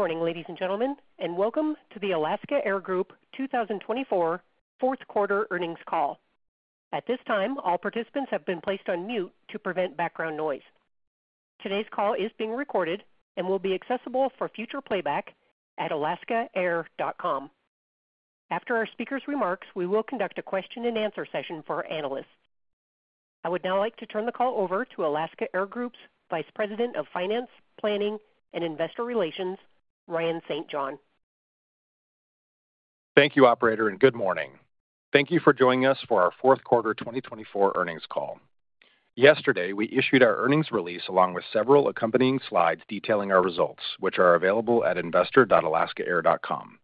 Good morning, ladies and gentlemen, and welcome to the Alaska Air Group 2024 fourth quarter earnings call. At this time, all participants have been placed on mute to prevent background noise. Today's call is being recorded and will be accessible for future playback at alaskaair.com. After our speakers' remarks, we will conduct a question-and-answer session for analysts. I would now like to turn the call over to Alaska Air Group's Vice President of Finance, Planning, and Investor Relations, Ryan St. John. Thank you, Operator, and good morning. Thank you for joining us for our fourth quarter 2024 earnings call. Yesterday, we issued our earnings release along with several accompanying slides detailing our results, which are available at investor.alaskaair.com.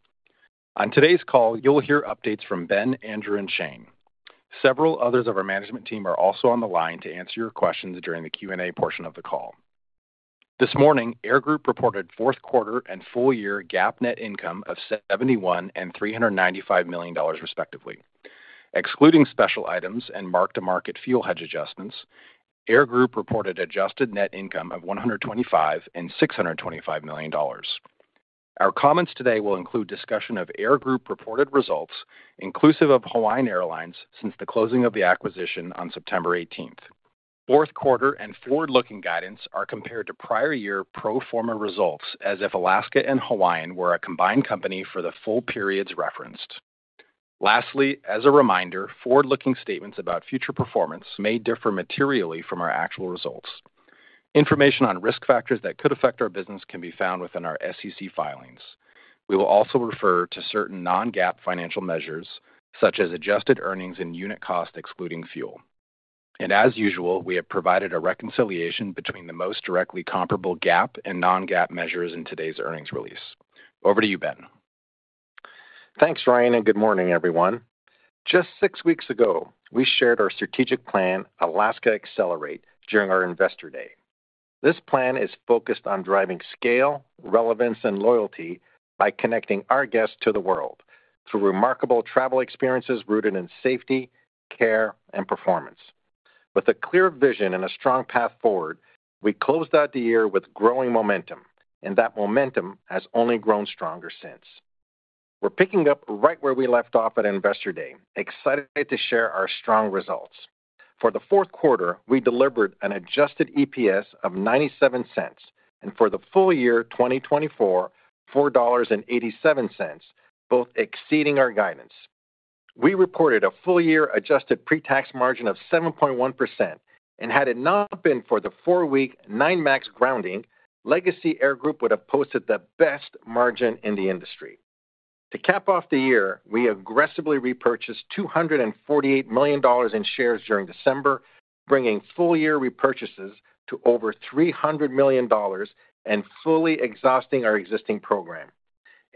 On today's call, you'll hear updates from Ben, Andrew, and Shane. Several others of our management team are also on the line to answer your questions during the Q&A portion of the call. This morning, Air Group reported fourth quarter and full year GAAP net income of $71 and $395 million, respectively. Excluding special items and mark-to-market fuel hedge adjustments, Air Group reported adjusted net income of $125 and $625 million. Our comments today will include discussion of Air Group reported results, inclusive of Hawaiian Airlines, since the closing of the acquisition on September 18th. Fourth quarter and forward-looking guidance are compared to prior year pro forma results as if Alaska and Hawaiian were a combined company for the full periods referenced. Lastly, as a reminder, forward-looking statements about future performance may differ materially from our actual results. Information on risk factors that could affect our business can be found within our SEC filings. We will also refer to certain Non-GAAP financial measures, such as adjusted earnings and unit cost, excluding fuel. And as usual, we have provided a reconciliation between the most directly comparable GAAP and Non-GAAP measures in today's earnings release. Over to you, Ben. Thanks, Ryan, and good morning, everyone. Just six weeks ago, we shared our strategic plan, Alaska Accelerate, during our Investor Day. This plan is focused on driving scale, relevance, and loyalty by connecting our guests to the world through remarkable travel experiences rooted in safety, care, and performance. With a clear vision and a strong path forward, we closed out the year with growing momentum, and that momentum has only grown stronger since. We're picking up right where we left off at Investor Day, excited to share our strong results. For the fourth quarter, we delivered an adjusted EPS of $0.97, and for the full year 2024, $4.87, both exceeding our guidance. We reported a full year adjusted pre-tax margin of 7.1%, and had it not been for the four-week 9 MAX grounding, legacy Air Group would have posted the best margin in the industry. To cap off the year, we aggressively repurchased $248 million in shares during December, bringing full year repurchases to over $300 million and fully exhausting our existing program.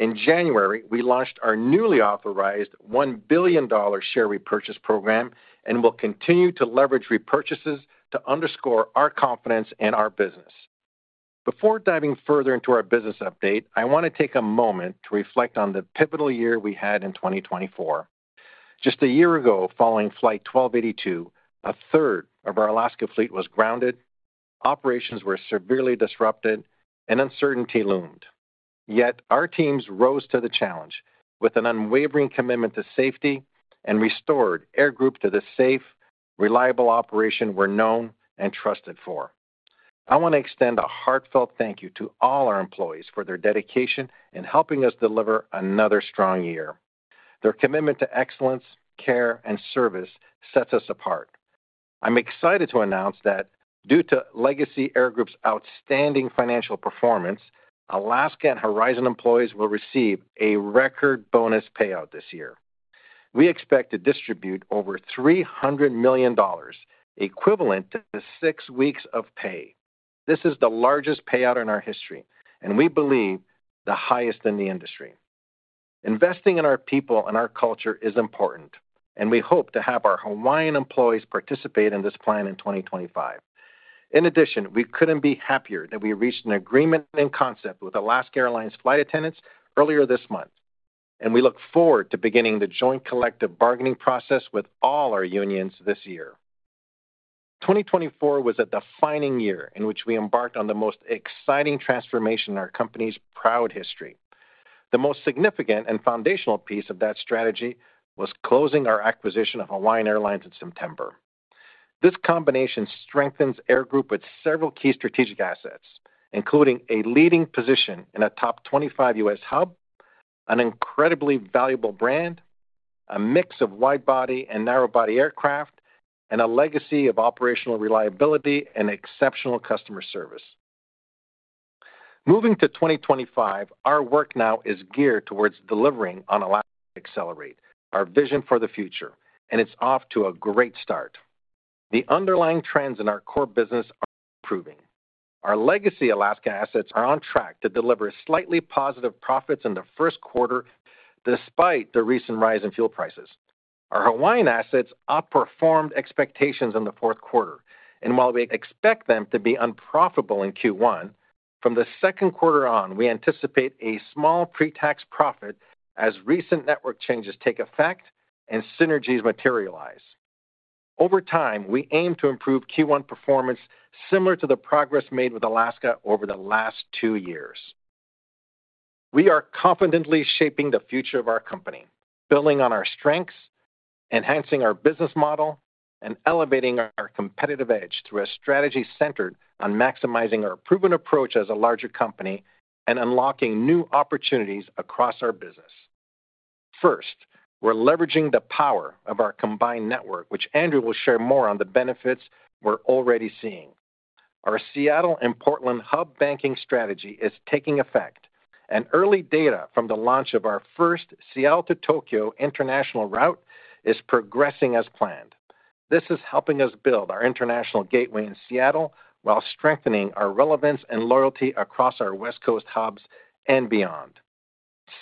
In January, we launched our newly authorized $1 billion share repurchase program and will continue to leverage repurchases to underscore our confidence in our business. Before diving further into our business update, I want to take a moment to reflect on the pivotal year we had in 2024. Just a year ago, following Flight 1282, a third of our Alaska fleet was grounded, operations were severely disrupted, and uncertainty loomed. Yet our teams rose to the challenge with an unwavering commitment to safety, and restored Alaska Air Group to the safe, reliable operation we're known and trusted for. I want to extend a heartfelt thank you to all our employees for their dedication in helping us deliver another strong year. Their commitment to excellence, care, and service sets us apart. I'm excited to announce that due to Alaska Air Group's outstanding financial performance, Alaska and Horizon employees will receive a record bonus payout this year. We expect to distribute over $300 million, equivalent to six weeks of pay. This is the largest payout in our history, and we believe the highest in the industry. Investing in our people and our culture is important, and we hope to have our Hawaiian employees participate in this plan in 2025. In addition, we couldn't be happier that we reached an agreement in concept with Alaska Airlines flight attendants earlier this month, and we look forward to beginning the joint collective bargaining process with all our unions this year. 2024 was a defining year in which we embarked on the most exciting transformation in our company's proud history. The most significant and foundational piece of that strategy was closing our acquisition of Hawaiian Airlines in September. This combination strengthens Alaska Air Group with several key strategic assets, including a leading position in a top 25 U.S. hub, an incredibly valuable brand, a mix of wide-body and narrow-body aircraft, and a legacy of operational reliability and exceptional customer service. Moving to 2025, our work now is geared towards delivering on Alaska Accelerate, our vision for the future, and it's off to a great start. The underlying trends in our core business are improving. Our legacy Alaska assets are on track to deliver slightly positive profits in the first quarter, despite the recent rise in fuel prices. Our Hawaiian assets outperformed expectations in the fourth quarter, and while we expect them to be unprofitable in Q1, from the second quarter on, we anticipate a small pre-tax profit as recent network changes take effect and synergies materialize. Over time, we aim to improve Q1 performance similar to the progress made with Alaska over the last two years. We are confidently shaping the future of our company, building on our strengths, enhancing our business model, and elevating our competitive edge through a strategy centered on maximizing our proven approach as a larger company and unlocking new opportunities across our business. First, we're leveraging the power of our combined network, which Andrew will share more on the benefits we're already seeing. Our Seattle and Portland hub banking strategy is taking effect, and early data from the launch of our first Seattle to Tokyo international route is progressing as planned. This is helping us build our international gateway in Seattle while strengthening our relevance and loyalty across our West Coast hubs and beyond.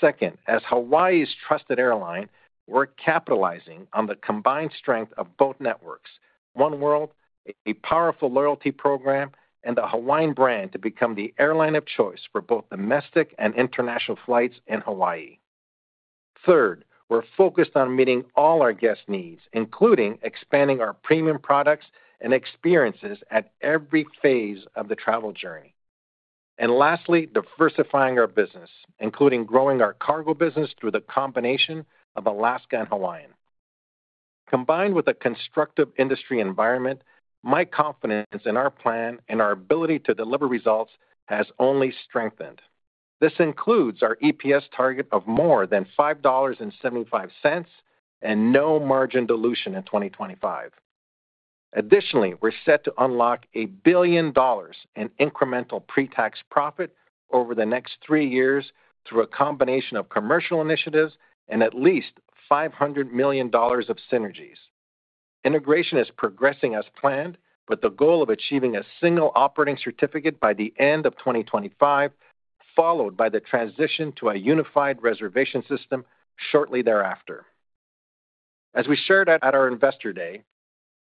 Second, as Hawaii's trusted airline, we're capitalizing on the combined strength of both networks, oneworld, a powerful loyalty program, and the Hawaiian brand to become the airline of choice for both domestic and international flights in Hawaii. Third, we're focused on meeting all our guest needs, including expanding our premium products and experiences at every phase of the travel journey. And lastly, diversifying our business, including growing our cargo business through the combination of Alaska and Hawaiian. Combined with a constructive industry environment, my confidence in our plan and our ability to deliver results has only strengthened. This includes our EPS target of more than $5.75 and no margin dilution in 2025. Additionally, we're set to unlock $1 billion in incremental pre-tax profit over the next three years through a combination of commercial initiatives and at least $500 million of synergies. Integration is progressing as planned, with the goal of achieving a single operating certificate by the end of 2025, followed by the transition to a unified reservation system shortly thereafter. As we shared at our Investor Day,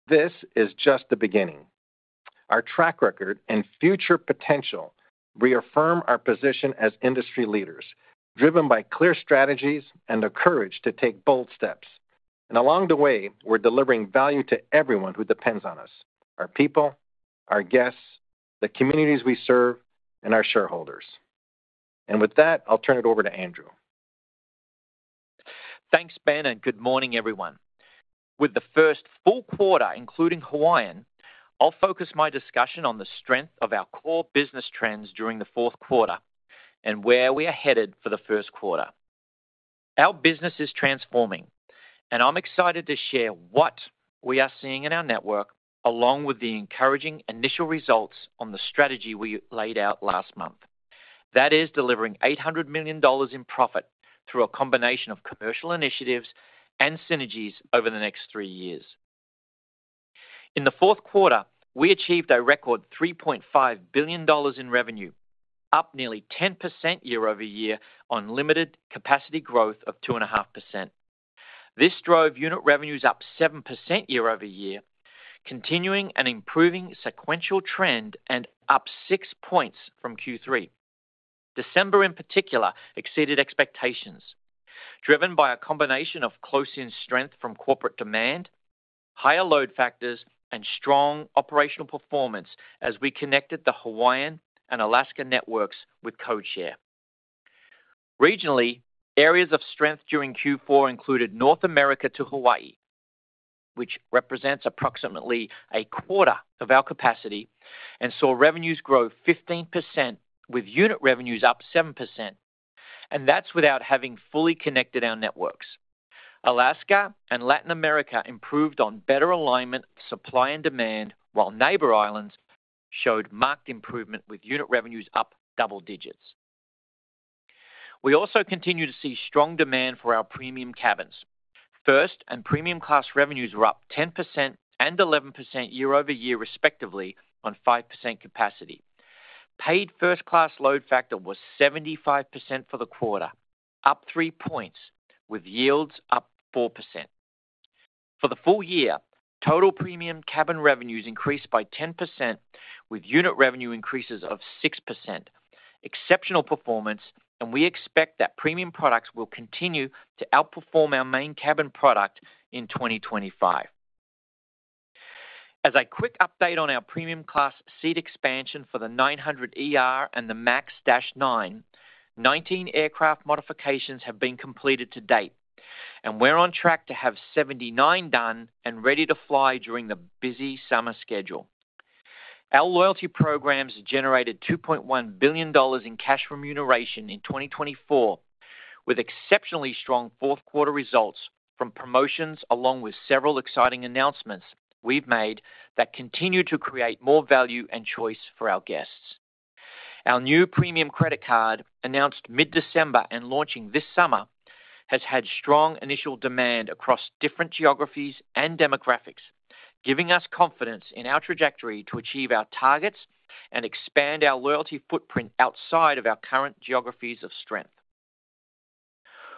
this is just the beginning. Our track record and future potential reaffirm our position as industry leaders, driven by clear strategies and the courage to take bold steps. Along the way, we're delivering value to everyone who depends on us: our people, our guests, the communities we serve, and our shareholders. With that, I'll turn it over to Andrew. Thanks, Ben, and good morning, everyone. With the first full quarter, including Hawaiian, I'll focus my discussion on the strength of our core business trends during the fourth quarter and where we are headed for the first quarter. Our business is transforming, and I'm excited to share what we are seeing in our network, along with the encouraging initial results on the strategy we laid out last month. That is delivering $800 million in profit through a combination of commercial initiatives and synergies over the next three years. In the fourth quarter, we achieved a record $3.5 billion in revenue, up nearly 10% year-over-year on limited capacity growth of 2.5%. This drove unit revenues up 7% year-over-year, continuing an improving sequential trend and up six points from Q3. December, in particular, exceeded expectations, driven by a combination of close-in strength from corporate demand, higher load factors, and strong operational performance as we connected the Hawaiian and Alaska networks with codeshare. Regionally, areas of strength during Q4 included North America to Hawaii, which represents approximately a quarter of our capacity, and saw revenues grow 15%, with unit revenues up 7%. And that's without having fully connected our networks. Alaska and Latin America improved on better alignment of supply and demand, while Neighbor Islands showed marked improvement, with unit revenues up double digits. We also continue to see strong demand for our premium cabins. First and Premium Class revenues were up 10% and 11% year-over-year, respectively, on 5% capacity. Paid First Class load factor was 75% for the quarter, up three points, with yields up 4%. For the full year, total premium cabin revenues increased by 10%, with unit revenue increases of 6%. Exceptional performance, and we expect that premium products will continue to outperform our Main Cabin product in 2025. As a quick update on our Premium Class seat expansion for the 900ER and the MAX 9, 19 aircraft modifications have been completed to date, and we're on track to have 79 done and ready to fly during the busy summer schedule. Our loyalty programs generated $2.1 billion in revenue in 2024, with exceptionally strong fourth-quarter results from promotions, along with several exciting announcements we've made that continue to create more value and choice for our guests. Our new premium credit card, announced mid-December and launching this summer, has had strong initial demand across different geographies and demographics, giving us confidence in our trajectory to achieve our targets and expand our loyalty footprint outside of our current geographies of strength.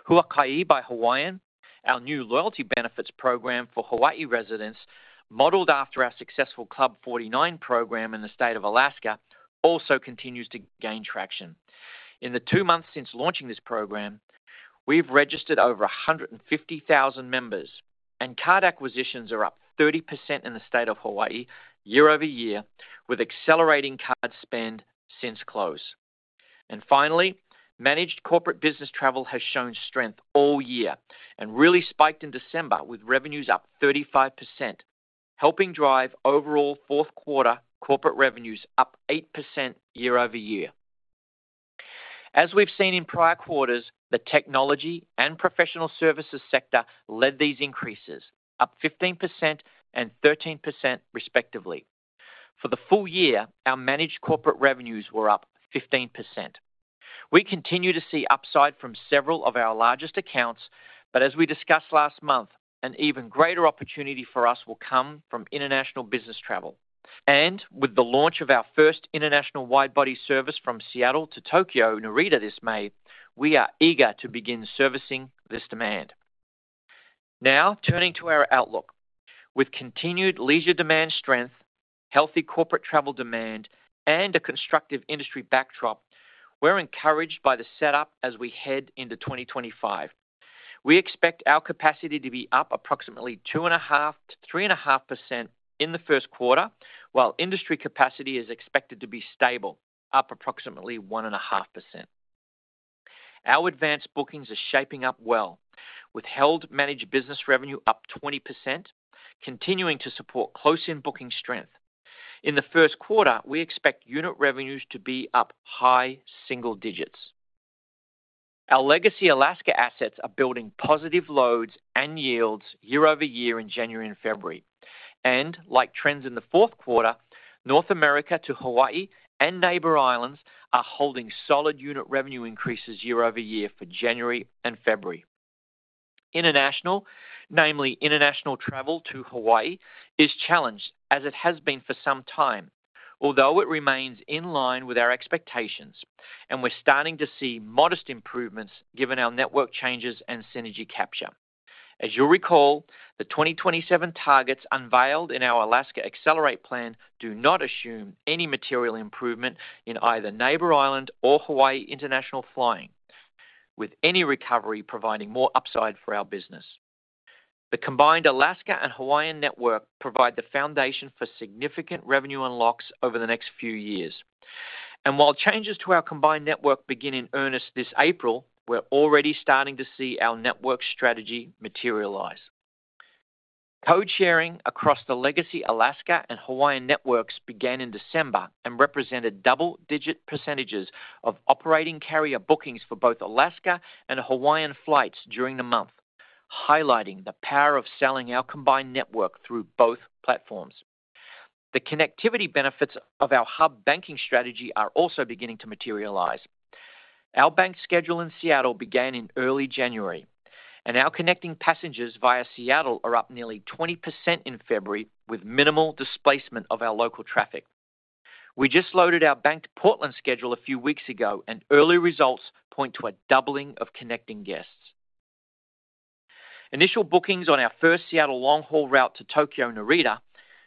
Huaka‘i by Hawaiian, our new loyalty benefits program for Hawaii residents, modeled after our successful Club 49 program in the state of Alaska, also continues to gain traction. In the two months since launching this program, we've registered over 150,000 members, and card acquisitions are up 30% in the state of Hawaii year-over-year, with accelerating card spend since close. And finally, managed corporate business travel has shown strength all year and really spiked in December, with revenues up 35%, helping drive overall fourth-quarter corporate revenues up 8% year-over-year. As we've seen in prior quarters, the technology and professional services sector led these increases, up 15% and 13%, respectively. For the full year, our managed corporate revenues were up 15%. We continue to see upside from several of our largest accounts, but as we discussed last month, an even greater opportunity for us will come from international business travel. And with the launch of our first international wide-body service from Seattle to Tokyo Narita this May, we are eager to begin servicing this demand. Now, turning to our outlook, with continued leisure demand strength, healthy corporate travel demand, and a constructive industry backdrop, we're encouraged by the setup as we head into 2025. We expect our capacity to be up approximately 2.5%-3.5% in the first quarter, while industry capacity is expected to be stable, up approximately 1.5%. Our advanced bookings are shaping up well, with held managed business revenue up 20%, continuing to support close-in booking strength. In the first quarter, we expect unit revenues to be up high single digits. Our legacy Alaska assets are building positive loads and yields year-over-year in January and February, and like trends in the fourth quarter, North America to Hawaii and Neighbor Islands are holding solid unit revenue increases year-over-year for January and February. International, namely international travel to Hawaii, is challenged as it has been for some time, although it remains in line with our expectations, and we're starting to see modest improvements given our network changes and synergy capture. As you'll recall, the 2027 targets unveiled in our Alaska Accelerate plan do not assume any material improvement in either Neighbor Islands or Hawaii international flying, with any recovery providing more upside for our business. The combined Alaska and Hawaiian network provide the foundation for significant revenue unlocks over the next few years. And while changes to our combined network begin in earnest this April, we're already starting to see our network strategy materialize. Codesharing across the legacy Alaska and Hawaiian networks began in December and represented double-digit percentages of operating carrier bookings for both Alaska and Hawaiian flights during the month, highlighting the power of selling our combined network through both platforms. The connectivity benefits of our hub banking strategy are also beginning to materialize. Our bank schedule in Seattle began in early January, and our connecting passengers via Seattle are up nearly 20% in February, with minimal displacement of our local traffic. We just loaded our banked Portland schedule a few weeks ago, and early results point to a doubling of connecting guests. Initial bookings on our first Seattle long-haul route to Tokyo Narita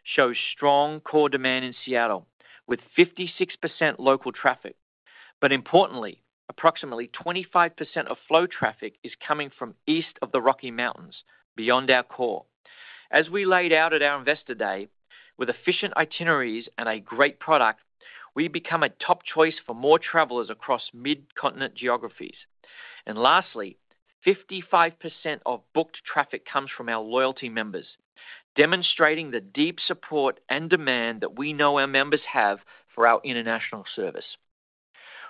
show strong core demand in Seattle, with 56% local traffic. But importantly, approximately 25% of flow traffic is coming from east of the Rocky Mountains, beyond our core. As we laid out at our Investor Day, with efficient itineraries and a great product, we become a top choice for more travelers across mid-continent geographies. And lastly, 55% of booked traffic comes from our loyalty members, demonstrating the deep support and demand that we know our members have for our international service.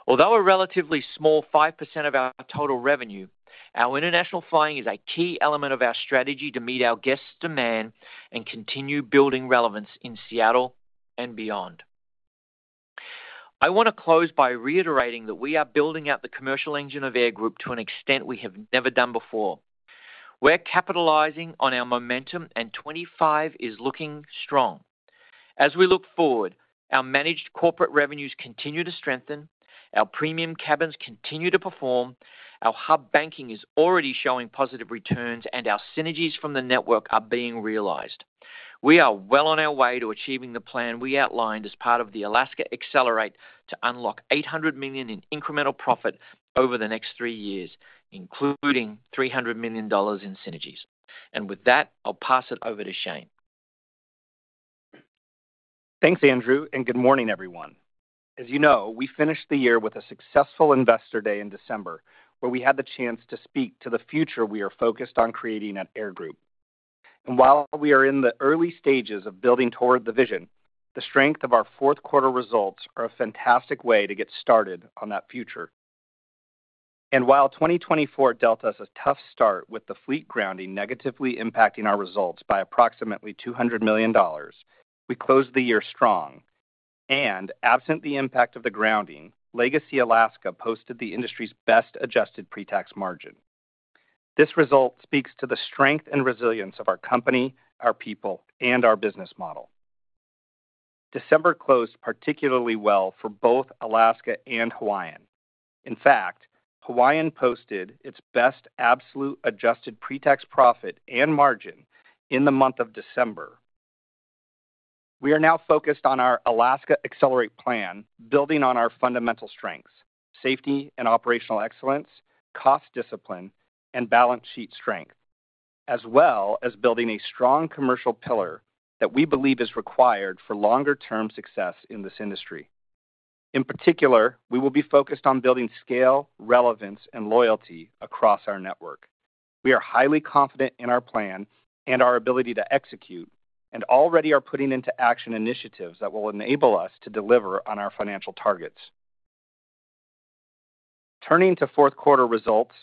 Although a relatively small 5% of our total revenue, our international flying is a key element of our strategy to meet our guests' demand and continue building relevance in Seattle and beyond. I want to close by reiterating that we are building out the commercial engine of Air Group to an extent we have never done before. We're capitalizing on our momentum, and 25 is looking strong. As we look forward, our managed corporate revenues continue to strengthen, our premium cabins continue to perform, our hub banking is already showing positive returns, and our synergies from the network are being realized. We are well on our way to achieving the plan we outlined as part of the Alaska Accelerate to unlock $800 million in incremental profit over the next three years, including $300 million in synergies. And with that, I'll pass it over to Shane. Thanks, Andrew, and good morning, everyone. As you know, we finished the year with a successful Investor Day in December, where we had the chance to speak to the future we are focused on creating at Air Group, and while we are in the early stages of building toward the vision, the strength of our fourth-quarter results are a fantastic way to get started on that future, and while 2024 dealt us a tough start with the fleet grounding negatively impacting our results by approximately $200 million, we closed the year strong, and absent the impact of the grounding, legacy Alaska posted the industry's best adjusted pre-tax margin. This result speaks to the strength and resilience of our company, our people, and our business model. December closed particularly well for both Alaska and Hawaiian. In fact, Hawaiian posted its best absolute adjusted pre-tax profit and margin in the month of December. We are now focused on our Alaska Accelerate plan, building on our fundamental strengths: safety and operational excellence, cost discipline, and balance sheet strength, as well as building a strong commercial pillar that we believe is required for longer-term success in this industry. In particular, we will be focused on building scale, relevance, and loyalty across our network. We are highly confident in our plan and our ability to execute, and already are putting into action initiatives that will enable us to deliver on our financial targets. Turning to fourth quarter results,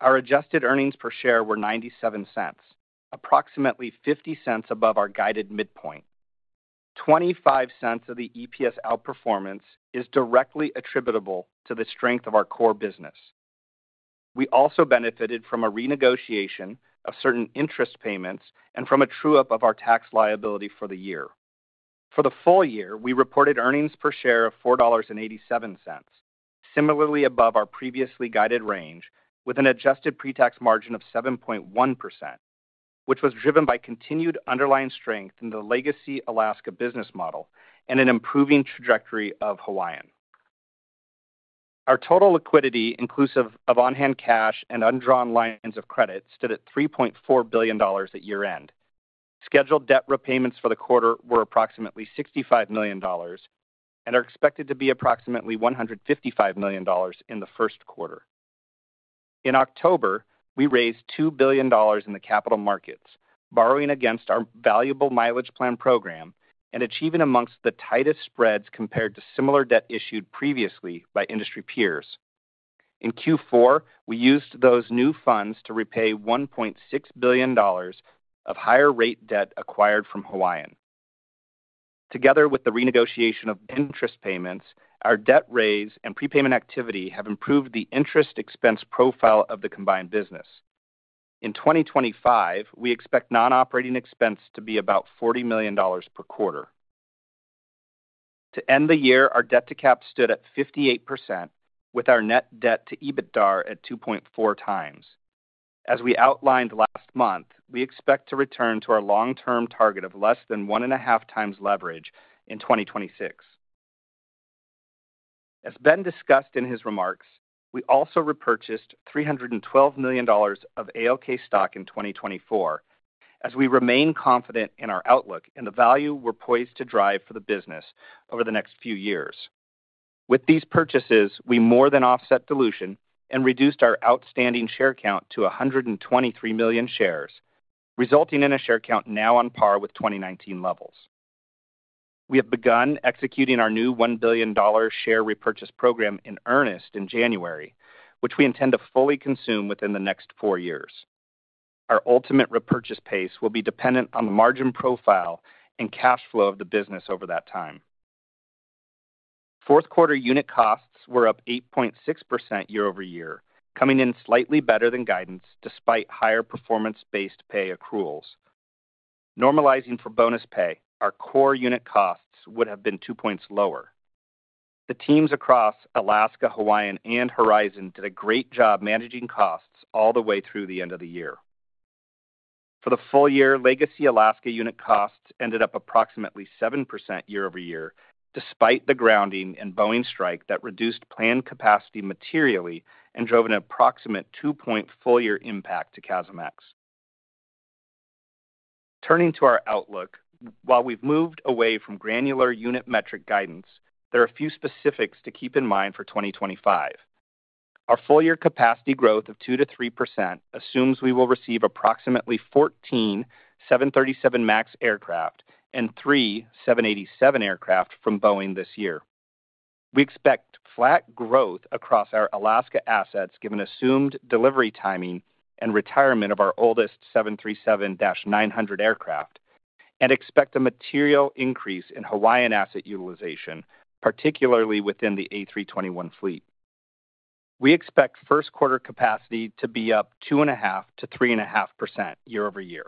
our adjusted earnings per share were $0.97, approximately $0.50 above our guided midpoint. $0.25 of the EPS outperformance is directly attributable to the strength of our core business. We also benefited from a renegotiation of certain interest payments and from a true-up of our tax liability for the year. For the full year, we reported earnings per share of $4.87, similarly above our previously guided range, with an adjusted pre-tax margin of 7.1%, which was driven by continued underlying strength in the legacy Alaska business model and an improving trajectory of Hawaiian. Our total liquidity, inclusive of on-hand cash and undrawn lines of credit, stood at $3.4 billion at year-end. Scheduled debt repayments for the quarter were approximately $65 million, and are expected to be approximately $155 million in the first quarter. In October, we raised $2 billion in the capital markets, borrowing against our valuable Mileage Plan program and achieving amongst the tightest spreads compared to similar debt issued previously by industry peers. In Q4, we used those new funds to repay $1.6 billion of higher-rate debt acquired from Hawaiian. Together with the renegotiation of interest payments, our debt raise and prepayment activity have improved the interest expense profile of the combined business. In 2025, we expect non-operating expense to be about $40 million per quarter. To end the year, our debt-to-cap stood at 58%, with our net debt-to-EBITDA at 2.4x. As we outlined last month, we expect to return to our long-term target of less than 1.5x leverage in 2026. As Ben discussed in his remarks, we also repurchased $312 million of ALK stock in 2024, as we remain confident in our outlook and the value we're poised to drive for the business over the next few years. With these purchases, we more than offset dilution and reduced our outstanding share count to 123 million shares, resulting in a share count now on par with 2019 levels. We have begun executing our new $1 billion share repurchase program in earnest in January, which we intend to fully consume within the next four years. Our ultimate repurchase pace will be dependent on the margin profile and cash flow of the business over that time. Fourth-quarter unit costs were up 8.6% year-over-year, coming in slightly better than guidance despite higher performance-based pay accruals. Normalizing for bonus pay, our core unit costs would have been two points lower. The teams across Alaska, Hawaiian, and Horizon did a great job managing costs all the way through the end of the year. For the full year, legacy Alaska unit costs ended up approximately 7% year-over-year, despite the grounding and Boeing strike that reduced planned capacity materially and drove an approximate 2-point full-year impact to CASM-ex. Turning to our outlook, while we've moved away from granular unit metric guidance, there are a few specifics to keep in mind for 2025. Our full-year capacity growth of 2%-3% assumes we will receive approximately 14 737 MAX aircraft and three 787 aircraft from Boeing this year. We expect flat growth across our Alaska assets given assumed delivery timing and retirement of our oldest 737-900 aircraft, and expect a material increase in Hawaiian asset utilization, particularly within the A321 fleet. We expect first-quarter capacity to be up 2.5%-3.5% year-over-year.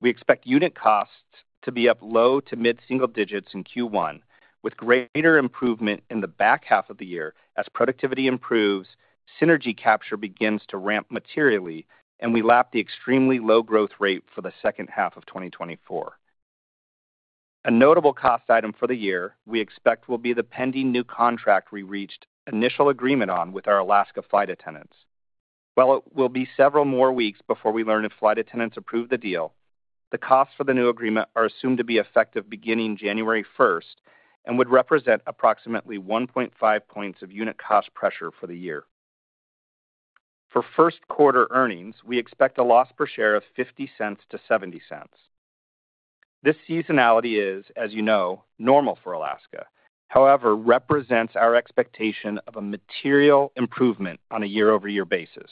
We expect unit costs to be up low to mid-single digits in Q1, with greater improvement in the back half of the year as productivity improves, synergy capture begins to ramp materially, and we lap the extremely low growth rate for the second half of 2024. A notable cost item for the year we expect will be the pending new contract we reached initial agreement on with our Alaska flight attendants. While it will be several more weeks before we learn if flight attendants approve the deal, the costs for the new agreement are assumed to be effective beginning January 1st and would represent approximately 1.5 points of unit cost pressure for the year. For first-quarter earnings, we expect a loss per share of $0.50-$0.70. This seasonality is, as you know, normal for Alaska; however, it represents our expectation of a material improvement on a year-over-year basis.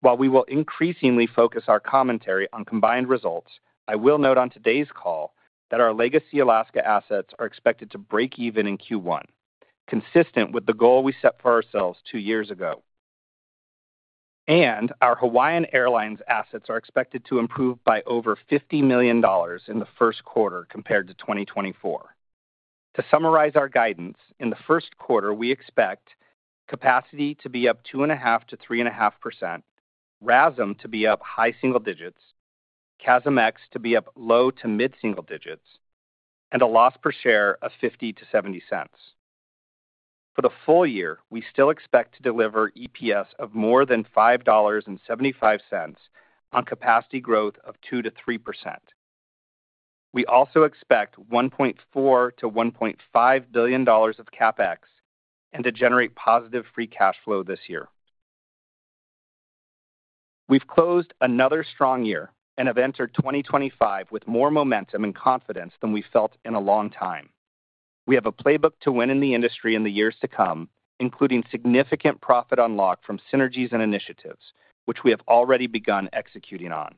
While we will increasingly focus our commentary on combined results, I will note on today's call that our legacy Alaska assets are expected to break even in Q1, consistent with the goal we set for ourselves two years ago, and our Hawaiian Airlines assets are expected to improve by over $50 million in the first quarter compared to 2024. To summarize our guidance, in the first quarter, we expect capacity to be up 2.5%-3.5%, RASM to be up high single digits, CASM-ex to be up low to mid-single digits, and a loss per share of $0.50-$0.70. For the full year, we still expect to deliver EPS of more than $5.75 on capacity growth of 2%-3%. We also expect $1.4 billion-$1.5 billion of CapEx and to generate positive free cash flow this year. We've closed another strong year and have entered 2025 with more momentum and confidence than we felt in a long time. We have a playbook to win in the industry in the years to come, including significant profit unlock from synergies and initiatives, which we have already begun executing on,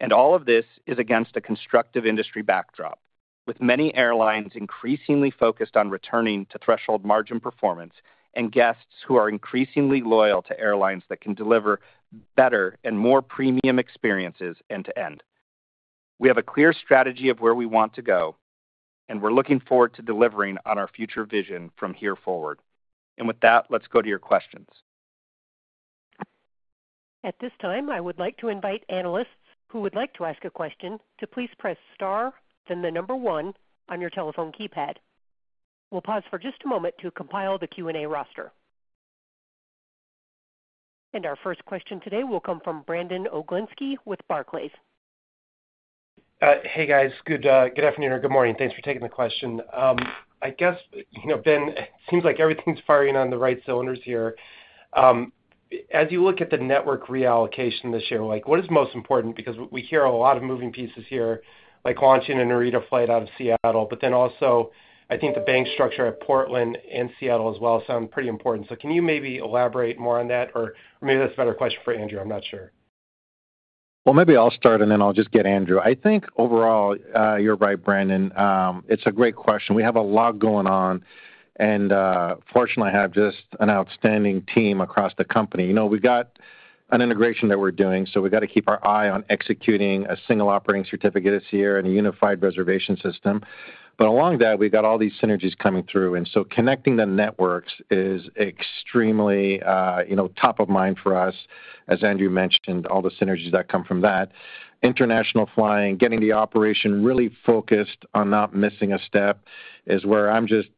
and all of this is against a constructive industry backdrop, with many airlines increasingly focused on returning to threshold margin performance and guests who are increasingly loyal to airlines that can deliver better and more premium experiences end to end. We have a clear strategy of where we want to go, and we're looking forward to delivering on our future vision from here forward, and with that, let's go to your questions. At this time, I would like to invite analysts who would like to ask a question to please press star, then the number one on your telephone keypad. We'll pause for just a moment to compile the Q&A roster and our first question today will come from Brandon Oglenski with Barclays. Hey, guys. Good afternoon or good morning. Thanks for taking the question. I guess, you know, Ben, it seems like everything's firing on all cylinders here. As you look at the network reallocation this year, like, what is most important? Because we hear a lot of moving pieces here, like launching a Narita flight out of Seattle, but then also, I think the banking structure at Portland and Seattle as well sound pretty important. So can you maybe elaborate more on that? Or maybe that's a better question for Andrew. I'm not sure. Maybe I'll start, and then I'll just get Andrew. I think overall, you're right, Brandon. It's a great question. We have a lot going on, and fortunately, I have just an outstanding team across the company. You know, we've got an integration that we're doing, so we've got to keep our eye on executing a single operating certificate this year and a unified reservation system. But along that, we've got all these synergies coming through. And so connecting the networks is extremely, you know, top of mind for us, as Andrew mentioned, all the synergies that come from that. International flying, getting the operation really focused on not missing a step is where I'm just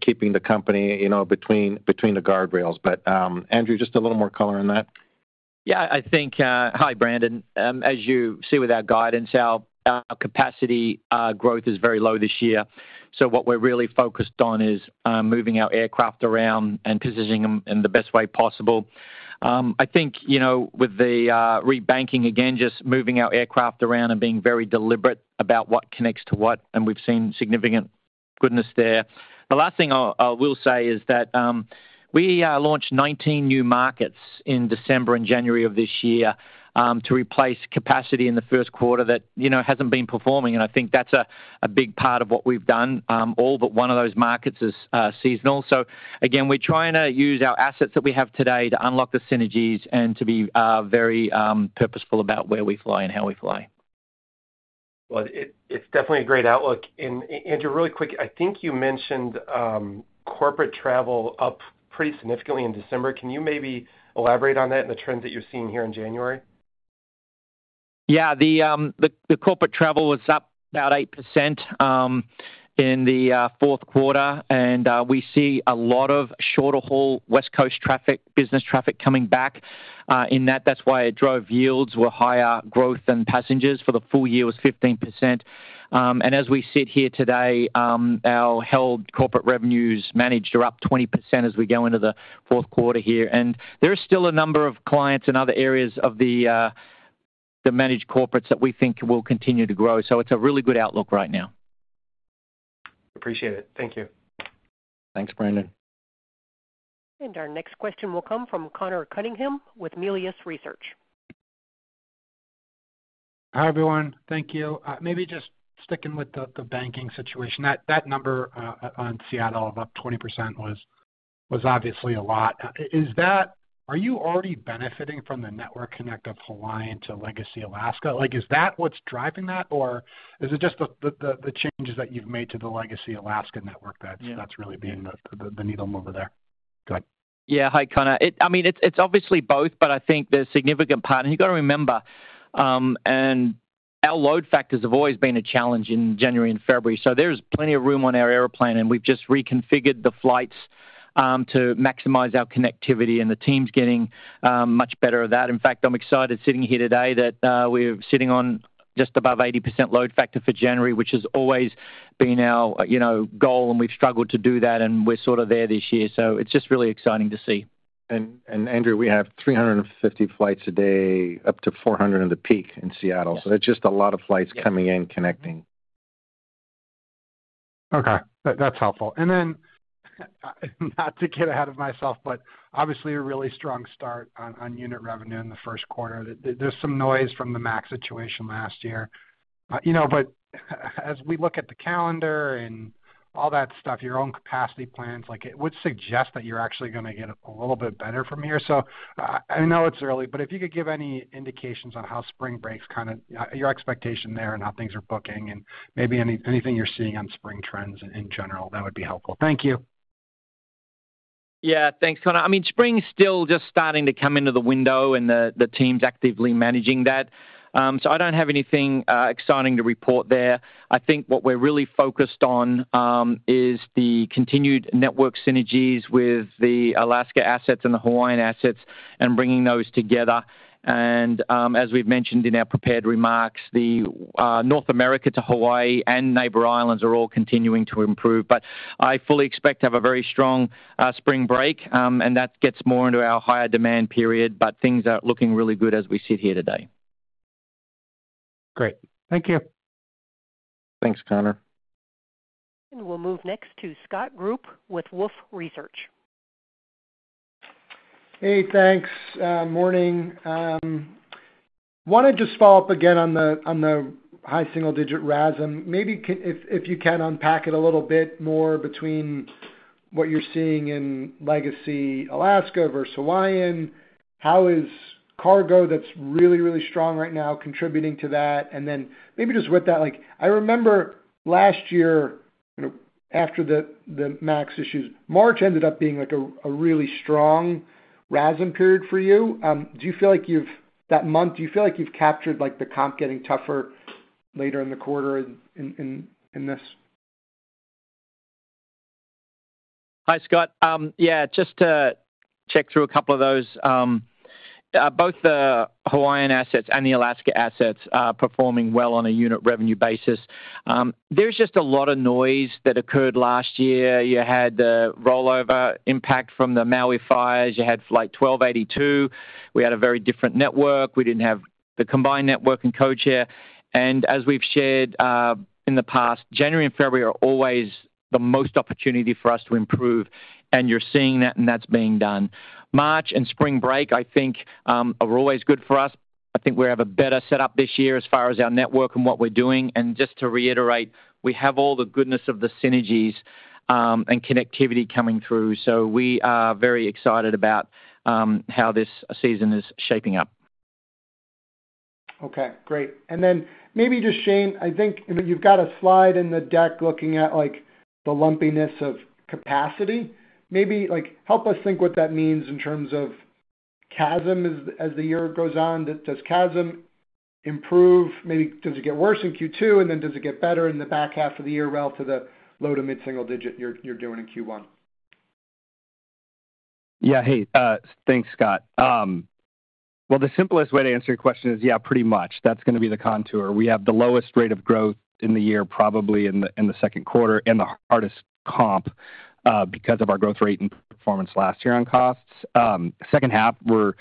keeping the company, you know, between the guardrails. But Andrew, just a little more color on that. Yeah, I think. Hi, Brandon. As you see with our guidance, our capacity growth is very low this year. So what we're really focused on is moving our aircraft around and positioning them in the best way possible. I think, you know, with the rebanking again, just moving our aircraft around and being very deliberate about what connects to what, and we've seen significant goodness there. The last thing I will say is that we launched 19 new markets in December and January of this year to replace capacity in the first quarter that, you know, hasn't been performing. And I think that's a big part of what we've done. All but one of those markets is seasonal. So again, we're trying to use our assets that we have today to unlock the synergies and to be very purposeful about where we fly and how we fly. It's definitely a great outlook. Andrew, really quick, I think you mentioned corporate travel up pretty significantly in December. Can you maybe elaborate on that and the trends that you're seeing here in January? Yeah, the corporate travel was up about 8% in the fourth quarter, and we see a lot of shorter-haul West Coast traffic, business traffic coming back in that. That's why it drove yields were higher. Growth in passengers for the full year was 15%. And as we sit here today, our held corporate revenues managed are up 20% as we go into the fourth quarter here. And there are still a number of clients in other areas of the managed corporates that we think will continue to grow. So it's a really good outlook right now. Appreciate it. Thank you. Thanks, Brandon. Our next question will come from Conor Cunningham with Melius Research. Hi, everyone. Thank you. Maybe just sticking with the banking situation, that number on Seattle of up 20% was obviously a lot. Are you already benefiting from the network connect of Hawaiian to legacy Alaska? Like, is that what's driving that, or is it just the changes that you've made to the legacy Alaska network that's really being the needle mover there? Go ahead. Yeah, hi, Conor. I mean, it's obviously both, but I think there's significant part. And you've got to remember, our load factors have always been a challenge in January and February. So there's plenty of room on our airplane, and we've just reconfigured the flights to maximize our connectivity, and the team's getting much better at that. In fact, I'm excited sitting here today that we're sitting on just above 80% load factor for January, which has always been our goal, and we've struggled to do that, and we're sort of there this year. So it's just really exciting to see. Andrew, we have 350 flights a day, up to 400 in the peak in Seattle. It's just a lot of flights coming in connecting. Okay, that's helpful, and then, not to get ahead of myself, but obviously a really strong start on unit revenue in the first quarter. There's some noise from the MAX situation last year. You know, but as we look at the calendar and all that stuff, your own capacity plans, like, it would suggest that you're actually going to get a little bit better from here, so I know it's early, but if you could give any indications on how spring breaks kind of, your expectation there and how things are booking and maybe anything you're seeing on spring trends in general, that would be helpful. Thank you. Yeah, thanks, Conor. I mean, spring's still just starting to come into the window, and the team's actively managing that, so I don't have anything exciting to report there. I think what we're really focused on is the continued network synergies with the Alaska assets and the Hawaiian assets and bringing those together, and as we've mentioned in our prepared remarks, the North America to Hawaii and Neighbor Islands are all continuing to improve, but I fully expect to have a very strong spring break, and that gets more into our higher demand period, but things are looking really good as we sit here today. Great. Thank you. Thanks, Conor. We'll move next to Scott Group with Wolfe Research. Hey, thanks. Morning. Want to just follow up again on the high single digit RASM. Maybe if you can unpack it a little bit more between what you're seeing in legacy Alaska versus Hawaiian, how is cargo that's really, really strong right now contributing to that? And then maybe just with that, like, I remember last year, you know, after the MAX issues, March ended up being like a really strong RASM period for you. Do you feel like you've, that month, do you feel like you've captured, like, the comp getting tougher later in the quarter in this? Hi, Scott. Yeah, just to check through a couple of those. Both the Hawaiian assets and the Alaska assets are performing well on a unit revenue basis. There's just a lot of noise that occurred last year. You had the rollover impact from the Maui fires. You had Flight 1282. We had a very different network. We didn't have the combined network in codeshare. And as we've shared in the past, January and February are always the most opportunity for us to improve. And you're seeing that, and that's being done. March and spring break, I think, are always good for us. I think we have a better setup this year as far as our network and what we're doing. And just to reiterate, we have all the goodness of the synergies and connectivity coming through. So we are very excited about how this season is shaping up. Okay, great. And then maybe just, Shane, I think you've got a slide in the deck looking at, like, the lumpiness of capacity. Maybe, like, help us think what that means in terms of CASM as the year goes on. Does CASM improve? Maybe does it get worse in Q2, and then does it get better in the back half of the year relative to the low to mid-single digit you're doing in Q1? Yeah, hey, thanks, Scott. Well, the simplest way to answer your question is, yeah, pretty much. That's going to be the contour. We have the lowest rate of growth in the year, probably in the second quarter, and the hardest comp because of our growth rate and performance last year on costs. Second half, we're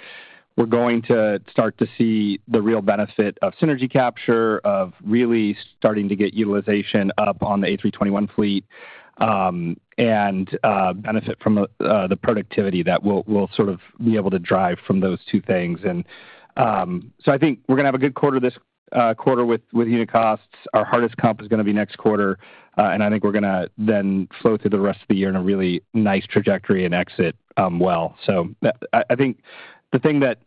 going to start to see the real benefit of synergy capture, of really starting to get utilization up on the A321 fleet and benefit from the productivity that we'll sort of be able to drive from those two things. And so I think we're going to have a good quarter this quarter with unit costs. Our hardest comp is going to be next quarter, and I think we're going to then flow through the rest of the year in a really nice trajectory and exit well. So, I think the thing that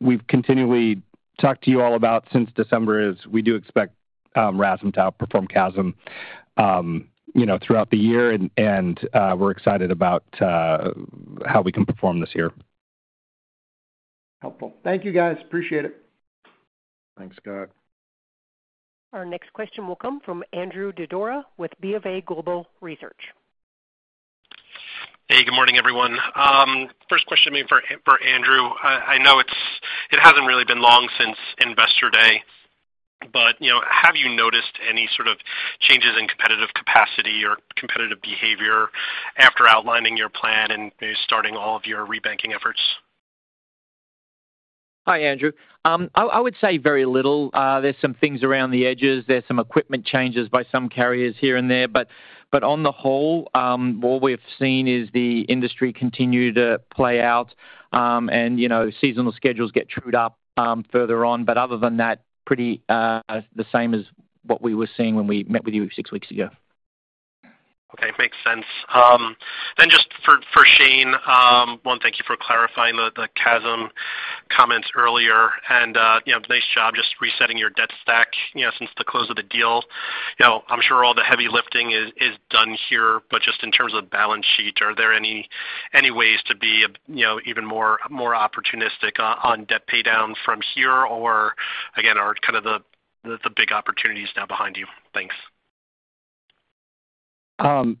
we've continually talked to you all about since December is we do expect RASM to outperform CASM, you know, throughout the year, and we're excited about how we can perform this year. Helpful. Thank you, guys. Appreciate it. Thanks, Scott. Our next question will come from Andrew Didora with BofA Global Research. Hey, good morning, everyone. First question for Andrew. I know it hasn't really been long since Investor Day, but, you know, have you noticed any sort of changes in competitive capacity or competitive behavior after outlining your plan and starting all of your rebanking efforts? Hi, Andrew. I would say very little. There's some things around the edges. There's some equipment changes by some carriers here and there. But on the whole, what we've seen is the industry continue to play out and, you know, seasonal schedules get trued up further on. But other than that, pretty the same as what we were seeing when we met with you six weeks ago. Okay, makes sense. Then just for Shane, one, thank you for clarifying the CASM comments earlier. And, you know, nice job just resetting your debt stack, you know, since the close of the deal. You know, I'm sure all the heavy lifting is done here, but just in terms of balance sheet, are there any ways to be, you know, even more opportunistic on debt paydown from here or, again, are kind of the big opportunities now behind you? Thanks.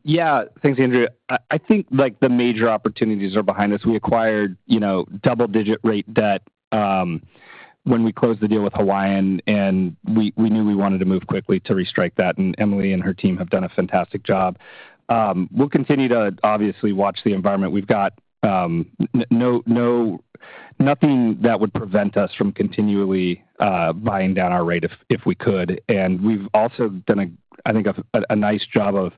Yeah, thanks, Andrew. I think, like, the major opportunities are behind us. We acquired, you know, double-digit rate debt when we closed the deal with Hawaiian, and we knew we wanted to move quickly to restrike that. And Emily and her team have done a fantastic job. We'll continue to obviously watch the environment. We've got nothing that would prevent us from continually buying down our rate if we could. And we've also done, I think, a nice job of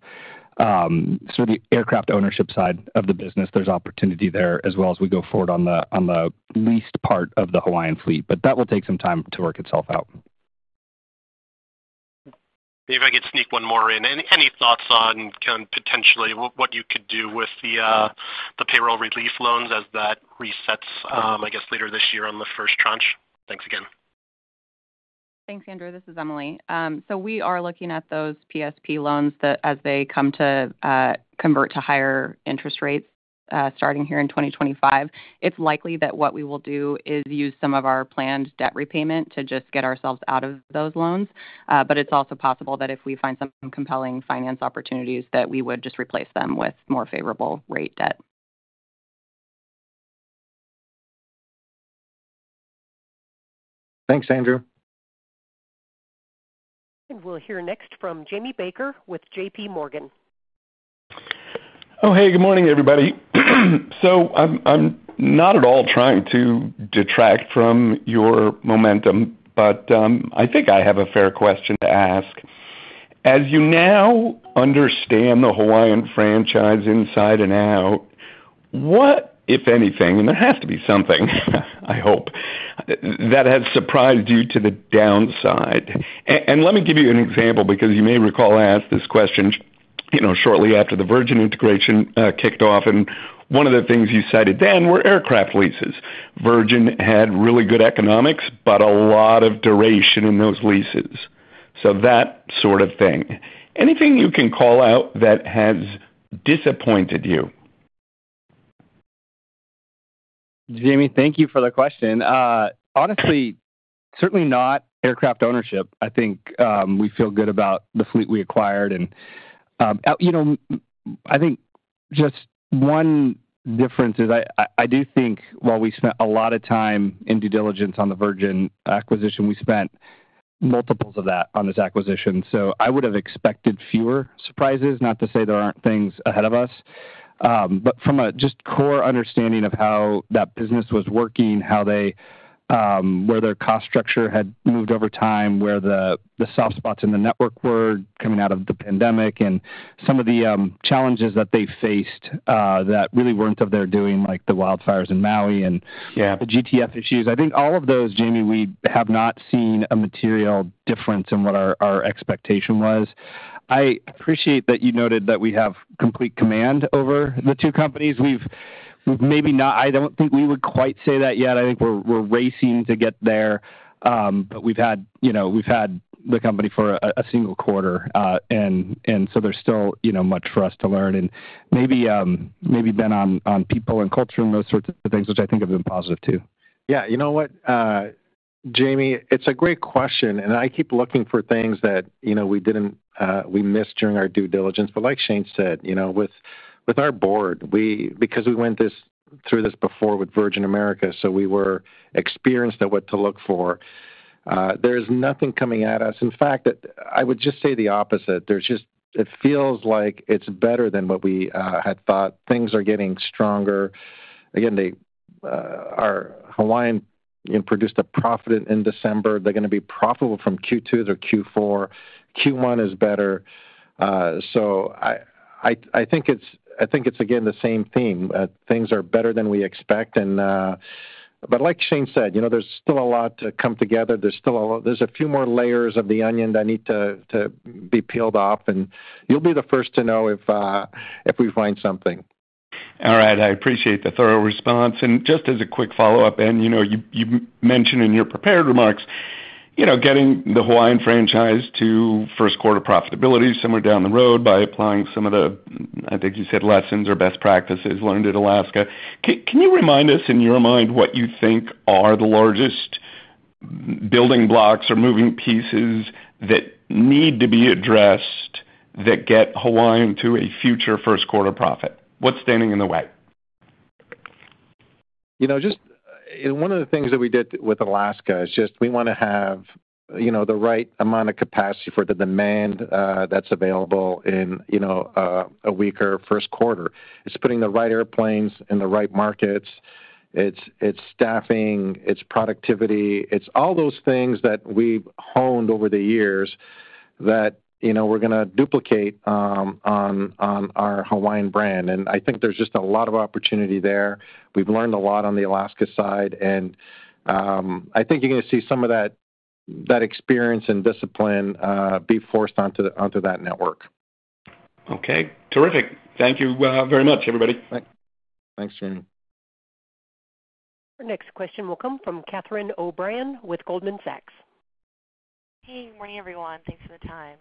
sort of the aircraft ownership side of the business. There's opportunity there as well as we go forward on the leased part of the Hawaiian fleet. But that will take some time to work itself out. Maybe I could sneak one more in. Any thoughts on kind of potentially what you could do with the payroll relief loans as that resets, I guess, later this year on the first tranche? Thanks again. Thanks, Andrew. This is Emily. So we are looking at those PSP loans that as they come to convert to higher interest rates starting here in 2025, it's likely that what we will do is use some of our planned debt repayment to just get ourselves out of those loans. But it's also possible that if we find some compelling financing opportunities that we would just replace them with more favorable rate debt. Thanks, Andrew. We'll hear next from Jamie Baker with JPMorgan. Oh, hey, good morning, everybody. So I'm not at all trying to detract from your momentum, but I think I have a fair question to ask. As you now understand the Hawaiian franchise inside and out, what, if anything, and there has to be something, I hope, that has surprised you to the downside? And let me give you an example because you may recall I asked this question, you know, shortly after the Virgin integration kicked off. And one of the things you cited then were aircraft leases. Virgin had really good economics, but a lot of duration in those leases. So that sort of thing. Anything you can call out that has disappointed you? Jamie, thank you for the question. Honestly, certainly not aircraft ownership. I think we feel good about the fleet we acquired. And, you know, I think just one difference is I do think while we spent a lot of time in due diligence on the Virgin acquisition, we spent multiples of that on this acquisition. So I would have expected fewer surprises, not to say there aren't things ahead of us. But from just a core understanding of how that business was working, how their cost structure had moved over time, where the soft spots in the network were coming out of the pandemic, and some of the challenges that they faced that really weren't of their doing, like the wildfires in Maui and the GTF issues. I think all of those, Jamie, we have not seen a material difference in what our expectation was. I appreciate that you noted that we have complete command over the two companies. We've maybe not, I don't think we would quite say that yet. I think we're racing to get there, but we've had, you know, we've had the company for a single quarter, and so there's still, you know, much for us to learn, and maybe then on people and culture and those sorts of things, which I think have been positive too. Yeah, you know what, Jamie, it's a great question, and I keep looking for things that, you know, we didn't, we missed during our due diligence. But like Shane said, you know, with our board, we, because we went through this before with Virgin America, so we were experienced at what to look for. There is nothing coming at us. In fact, I would just say the opposite. There's just it feels like it's better than what we had thought. Things are getting stronger. Again, the Hawaiian produced a profit in December. They're going to be profitable from Q2 through Q4. Q1 is better. I think it's again the same theme. Things are better than we expect. But like Shane said, you know, there's still a lot to come together. There's still a lot. There's a few more layers of the onion that need to be peeled off. You'll be the first to know if we find something. All right. I appreciate the thorough response. And just as a quick follow-up, and you know, you mentioned in your prepared remarks, you know, getting the Hawaiian franchise to first quarter profitability somewhere down the road by applying some of the, I think you said, lessons or best practices learned at Alaska. Can you remind us in your mind what you think are the largest building blocks or moving pieces that need to be addressed that get Hawaiian to a future first quarter profit? What's standing in the way? You know, just one of the things that we did with Alaska is just we want to have, you know, the right amount of capacity for the demand that's available in, you know, a weaker first quarter. It's putting the right airplanes in the right markets. It's staffing, it's productivity. It's all those things that we've honed over the years that, you know, we're going to duplicate on our Hawaiian brand. And I think there's just a lot of opportunity there. We've learned a lot on the Alaska side. And I think you're going to see some of that experience and discipline be forced onto that network. Okay. Terrific. Thank you very much, everybody. Thanks, Jamie. Our next question will come from Catherine O'Brien with Goldman Sachs. Hey, good morning, everyone. Thanks for the time.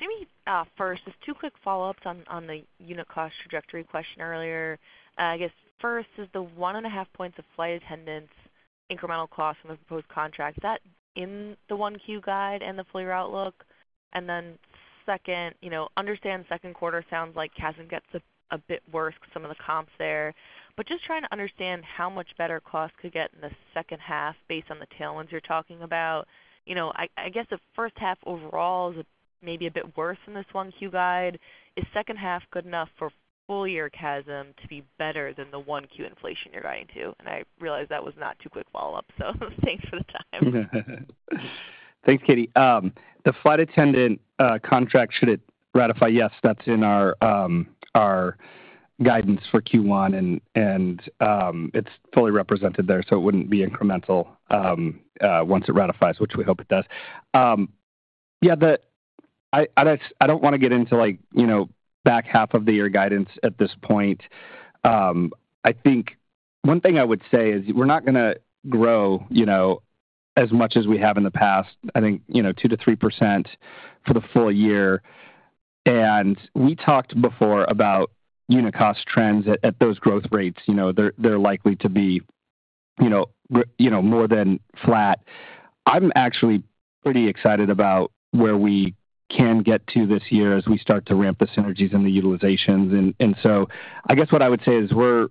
Maybe, first, just two quick follow-ups on the unit cost trajectory question earlier. I guess first is the one and a half points of flight attendant incremental cost from the proposed contract. Is that in the 1Q guide and the full-year outlook? And then second, you know, understand second quarter sounds like CASM gets a bit worse because some of the comps there. But just trying to understand how much better cost could get in the second half based on the tailwinds you're talking about. You know, I guess the first half overall is maybe a bit worse than this 1Q guide. Is second half good enough for full year CASM to be better than the 1Q inflation you're guiding to? And I realize that was not a quick follow-up, so thanks for the time. Thanks, Catie. The flight attendant contract, should it ratify, yes, that's in our guidance for Q1, and it's fully represented there, so it wouldn't be incremental once it ratify, which we hope it does. Yeah, I don't want to get into, like, you know, back half of the year guidance at this point. I think one thing I would say is we're not going to grow, you know, as much as we have in the past. I think, you know, 2%-3% for the full year, and we talked before about unit cost trends at those growth rates. You know, they're likely to be, you know, more than flat. I'm actually pretty excited about where we can get to this year as we start to ramp the synergies and the utilizations. And so I guess what I would say is we're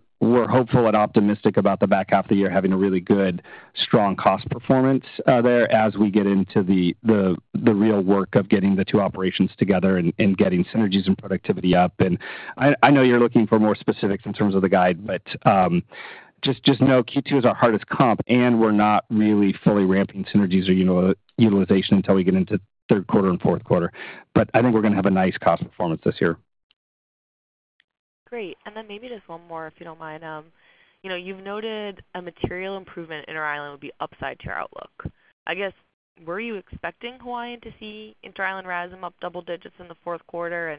hopeful and optimistic about the back half of the year having a really good, strong cost performance there as we get into the real work of getting the two operations together and getting synergies and productivity up. And I know you're looking for more specifics in terms of the guide, but just know Q2 is our hardest comp, and we're not really fully ramping synergies or utilization until we get into third quarter and fourth quarter. But I think we're going to have a nice cost performance this year. Great. And then maybe just one more, if you don't mind. You know, you've noted a material improvement in Interisland would be upside to your outlook. I guess, were you expecting Hawaiian to see Interisland RASM up double digits in the fourth quarter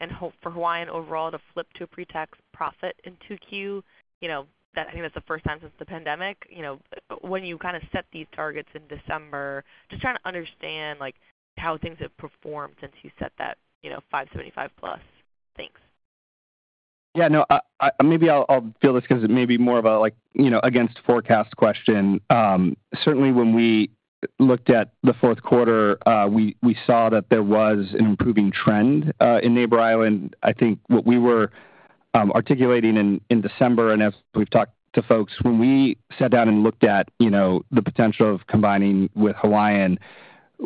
and hope for Hawaiian overall to flip to a pre-tax profit in 2Q? You know, I think that's the first time since the pandemic. You know, when you kind of set these targets in December, just trying to understand, like, how things have performed since you set that, you know, 575 plus. Thanks. Yeah, no, maybe I'll field this because it may be more of a, like, you know, against forecast question. Certainly, when we looked at the fourth quarter, we saw that there was an improving trend in Neighbor Islands. I think what we were articulating in December, and as we've talked to folks, when we sat down and looked at, you know, the potential of combining with Hawaiian,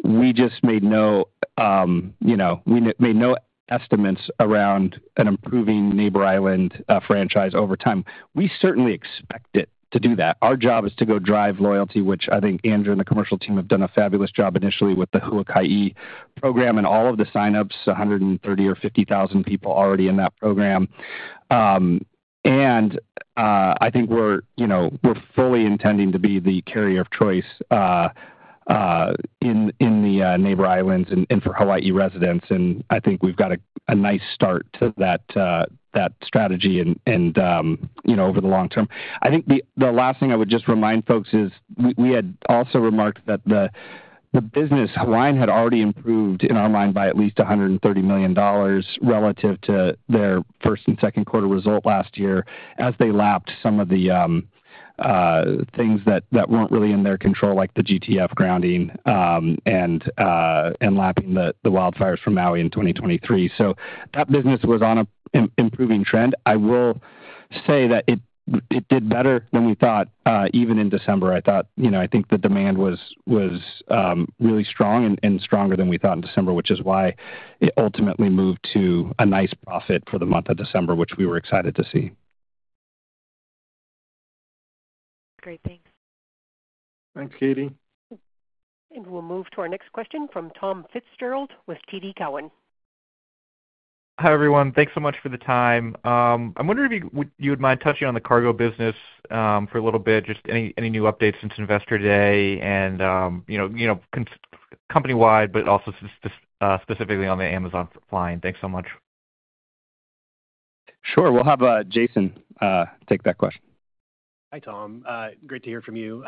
we just made no, you know, we made no estimates around an improving Neighbor Islands franchise over time. We certainly expect it to do that. Our job is to go drive loyalty, which I think Andrew and the commercial team have done a fabulous job initially with the Huaka‘i program and all of the signups, 130 or 50,000 people already in that program. I think we're, you know, we're fully intending to be the carrier of choice in the Neighbor Islands and for Hawaii residents. I think we've got a nice start to that strategy and, you know, over the long term. I think the last thing I would just remind folks is we had also remarked that the business, Hawaiian had already improved in our mind by at least $130 million relative to their first and second quarter result last year as they lapped some of the things that weren't really in their control, like the GTF grounding and lapping the wildfires from Maui in 2023. That business was on an improving trend. I will say that it did better than we thought even in December. I thought, you know, I think the demand was really strong and stronger than we thought in December, which is why it ultimately moved to a nice profit for the month of December, which we were excited to see. Great. Thanks. Thanks, Catie. And we'll move to our next question from Tom Fitzgerald with TD Cowen. Hi, everyone. Thanks so much for the time. I'm wondering if you would mind touching on the cargo business for a little bit, just any new updates since Investor Day and, you know, company-wide, but also specifically on the Amazon flying. Thanks so much. Sure. We'll have Jason take that question. Hi, Tom. Great to hear from you.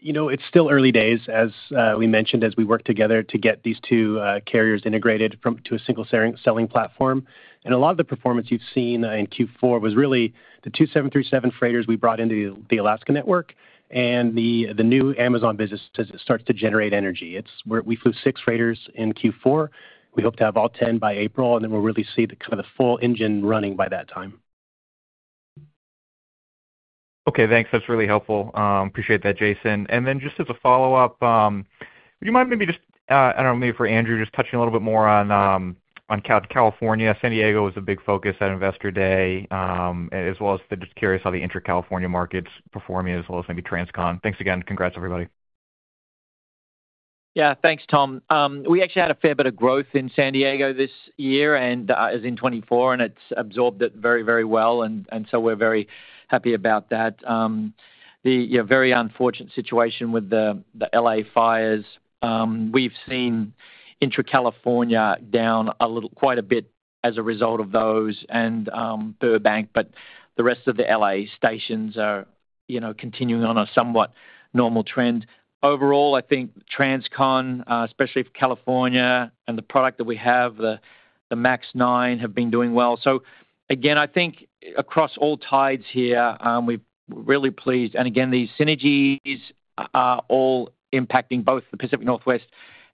You know, it's still early days, as we mentioned, as we work together to get these two carriers integrated to a single selling platform. A lot of the performance you've seen in Q4 was really the two 737 freighters we brought into the Alaska network and the new Amazon business starts to generate revenue. We flew six freighters in Q4. We hope to have all 10 by April, and then we'll really see kind of the full engine running by that time. Okay. Thanks. That's really helpful. Appreciate that, Jason. And then just as a follow-up, would you mind maybe just, I don't know, maybe for Andrew, just touching a little bit more on California. San Diego was a big focus at Investor Day, as well as just curious how the intra-California markets performing, as well as maybe transcon. Thanks again. Congrats, everybody. Yeah, thanks, Tom. We actually had a fair bit of growth in San Diego this year and as in 2024, and it's absorbed it very, very well. We're very happy about that. The very unfortunate situation with the LA fires, we've seen intra-California down quite a bit as a result of those and Burbank, but the rest of the LA stations are, you know, continuing on a somewhat normal trend. Overall, I think transcon, especially for California and the product that we have, the MAX 9, have been doing well. Again, I think across all sides here, we're really pleased. These synergies are all impacting both the Pacific Northwest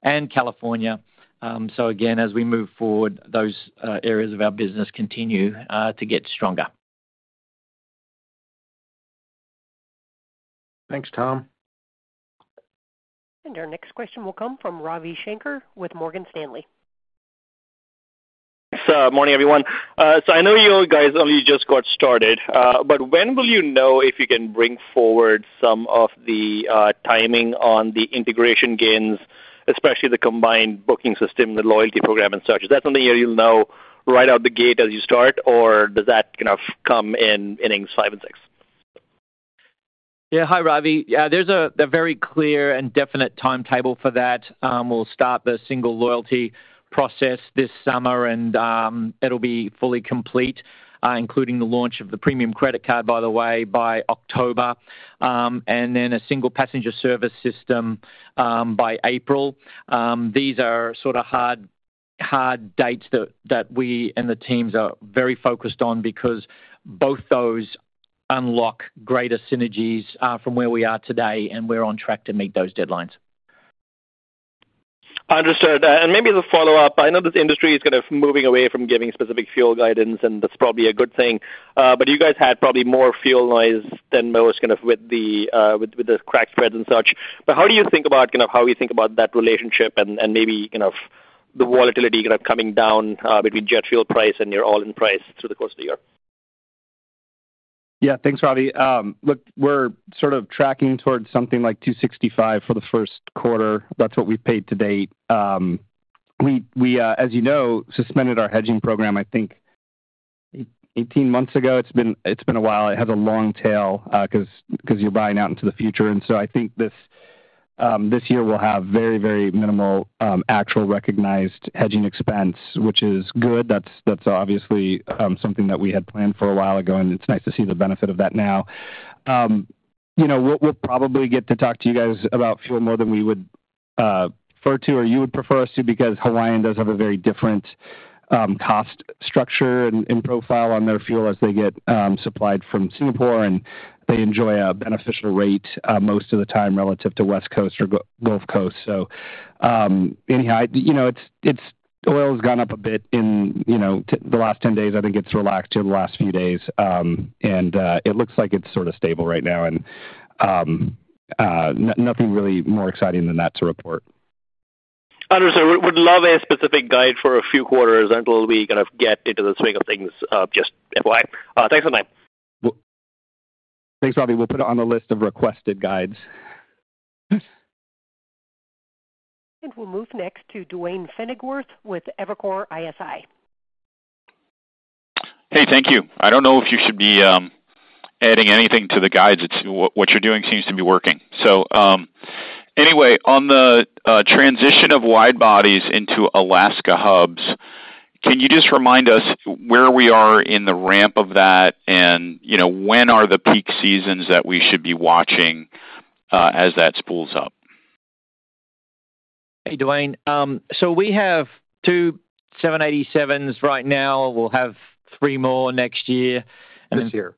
and California. As we move forward, those areas of our business continue to get stronger. Thanks, Tom. Our next question will come from Ravi Shanker with Morgan Stanley. Thanks. Morning, everyone. So I know you guys only just got started, but when will you know if you can bring forward some of the timing on the integration gains, especially the combined booking system, the loyalty program and such? Is that something you'll know right out the gate as you start, or does that kind of come in innings five and six? Yeah. Hi, Ravi. Yeah, there's a very clear and definite timetable for that. We'll start the single loyalty process this summer, and it'll be fully complete, including the launch of the premium credit card, by the way, by October, and then a single passenger service system by April. These are sort of hard dates that we and the teams are very focused on because both those unlock greater synergies from where we are today, and we're on track to meet those deadlines. Understood. And maybe the follow-up, I know this industry is kind of moving away from giving specific fuel guidance, and that's probably a good thing. But you guys had probably more fuel noise than most kind of with the crack spreads and such. But how do you think about kind of how we think about that relationship and maybe kind of the volatility kind of coming down between jet fuel price and your all-in price through the course of the year? Yeah. Thanks, Ravi. Look, we're sort of tracking towards something like 265 for the first quarter. That's what we've paid to date. We, as you know, suspended our hedging program, I think, 18 months ago. It's been a while. It has a long tail because you're buying out into the future. And so I think this year we'll have very, very minimal actual recognized hedging expense, which is good. That's obviously something that we had planned for a while ago, and it's nice to see the benefit of that now. You know, we'll probably get to talk to you guys about fuel more than we would prefer to or you would prefer us to because Hawaiian does have a very different cost structure and profile on their fuel as they get supplied from Singapore, and they enjoy a beneficial rate most of the time relative to West Coast or Gulf Coast. So anyhow, you know, oil has gone up a bit in, you know, the last 10 days. I think it's relaxed here the last few days, and it looks like it's sort of stable right now, and nothing really more exciting than that to report. Understood. Would love a specific guide for a few quarters until we kind of get into the swing of things just. Why. Thanks for the time. Thanks, Ravi. We'll put it on the list of requested guides. And we'll move next to Duane Pfennigwerth with Evercore ISI. Hey, thank you. I don't know if you should be adding anything to the guides. What you're doing seems to be working. So anyway, on the transition of widebodies into Alaska hubs, can you just remind us where we are in the ramp of that, and, you know, when are the peak seasons that we should be watching as that spools up? Hey, Duane. So we have two 787s right now. We'll have three more next year. This year.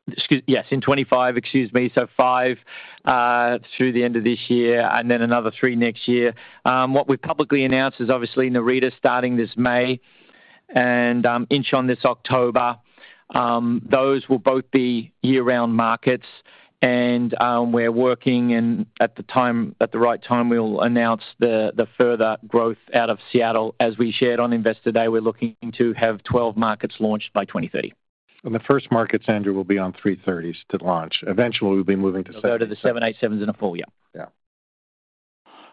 Yes, in 2025, excuse me. So five through the end of this year, and then another three next year. What we've publicly announced is obviously Narita starting this May and Incheon this October. Those will both be year-round markets. And we're working, and at the right time, we'll announce the further growth out of Seattle. As we shared on Investor Day, we're looking to have 12 markets launched by 2030. The first markets, Andrew, will be on 330s to launch. Eventually, we'll be moving to 787s. We'll go to the 787s in a full year. Yeah.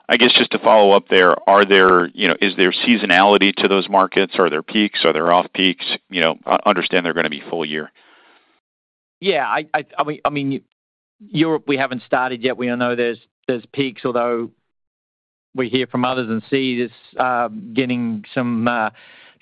I guess just to follow up there, are there, you know, is there seasonality to those markets? Are there peaks? Are there off-peaks? You know, understand they're going to be full year. Yeah. I mean, Europe, we haven't started yet. We don't know there's peaks, although we hear from others and see this getting some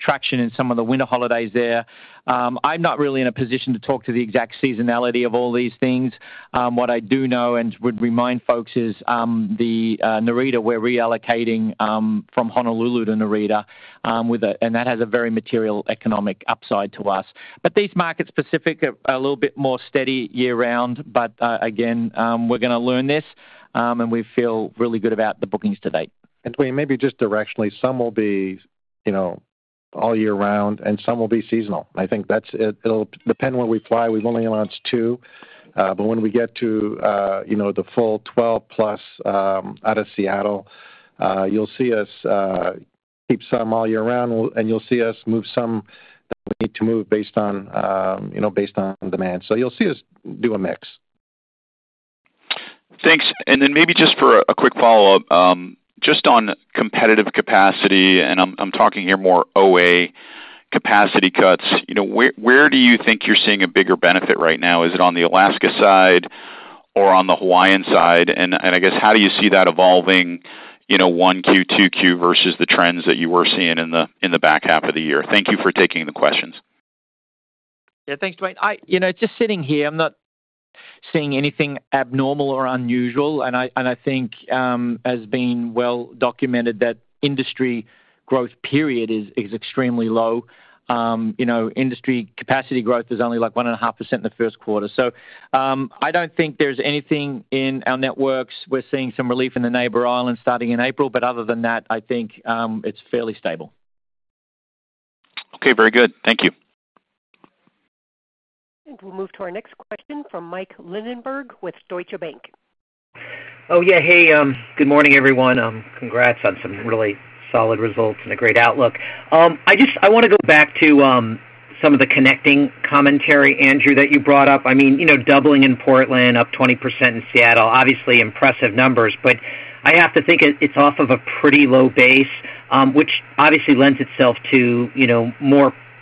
traction in some of the winter holidays there. I'm not really in a position to talk to the exact seasonality of all these things. What I do know and would remind folks is the Narita, we're reallocating from Honolulu to Narita, and that has a very material economic upside to us. But these markets specific are a little bit more steady year-round, but again, we're going to learn this, and we feel really good about the bookings to date. And Duane, maybe just directionally, some will be, you know, all year-round, and some will be seasonal. I think that's it'll depend where we fly. We've only announced two, but when we get to, you know, the full 12+ out of Seattle, you'll see us keep some all year-round, and you'll see us move some that we need to move based on, you know, based on demand. So you'll see us do a mix. Thanks. And then maybe just for a quick follow-up, just on competitive capacity, and I'm talking here more OA capacity cuts, you know, where do you think you're seeing a bigger benefit right now? Is it on the Alaska side or on the Hawaiian side? And I guess, how do you see that evolving, you know, 1Q, 2Q versus the trends that you were seeing in the back half of the year? Thank you for taking the questions. Yeah, thanks, Duane. I, you know, just sitting here, I'm not seeing anything abnormal or unusual. And I think, as being well documented, that industry growth period is extremely low. You know, industry capacity growth is only like 1.5% in the first quarter. So I don't think there's anything in our networks. We're seeing some relief in the Neighbor Islands starting in April, but other than that, I think it's fairly stable. Okay. Very good. Thank you. We'll move to our next question from Michael Linenberg with Deutsche Bank. Oh, yeah. Hey, good morning, everyone. Congrats on some really solid results and a great outlook. I just, I want to go back to some of the connecting commentary, Andrew, that you brought up. I mean, you know, doubling in Portland, up 20% in Seattle, obviously impressive numbers, but I have to think it's off of a pretty low base, which obviously lends itself to, you know,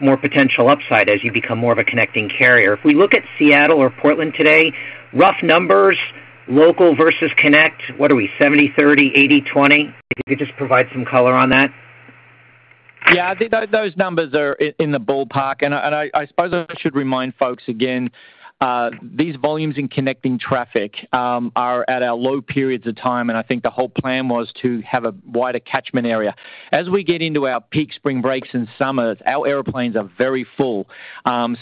more potential upside as you become more of a connecting carrier. If we look at Seattle or Portland today, rough numbers, local versus connect, what are we, 70, 30, 80, 20? If you could just provide some color on that. Yeah. I think those numbers are in the ballpark. And I suppose I should remind folks again, these volumes in connecting traffic are at our low periods of time, and I think the whole plan was to have a wider catchment area. As we get into our peak spring breaks and summers, our airplanes are very full.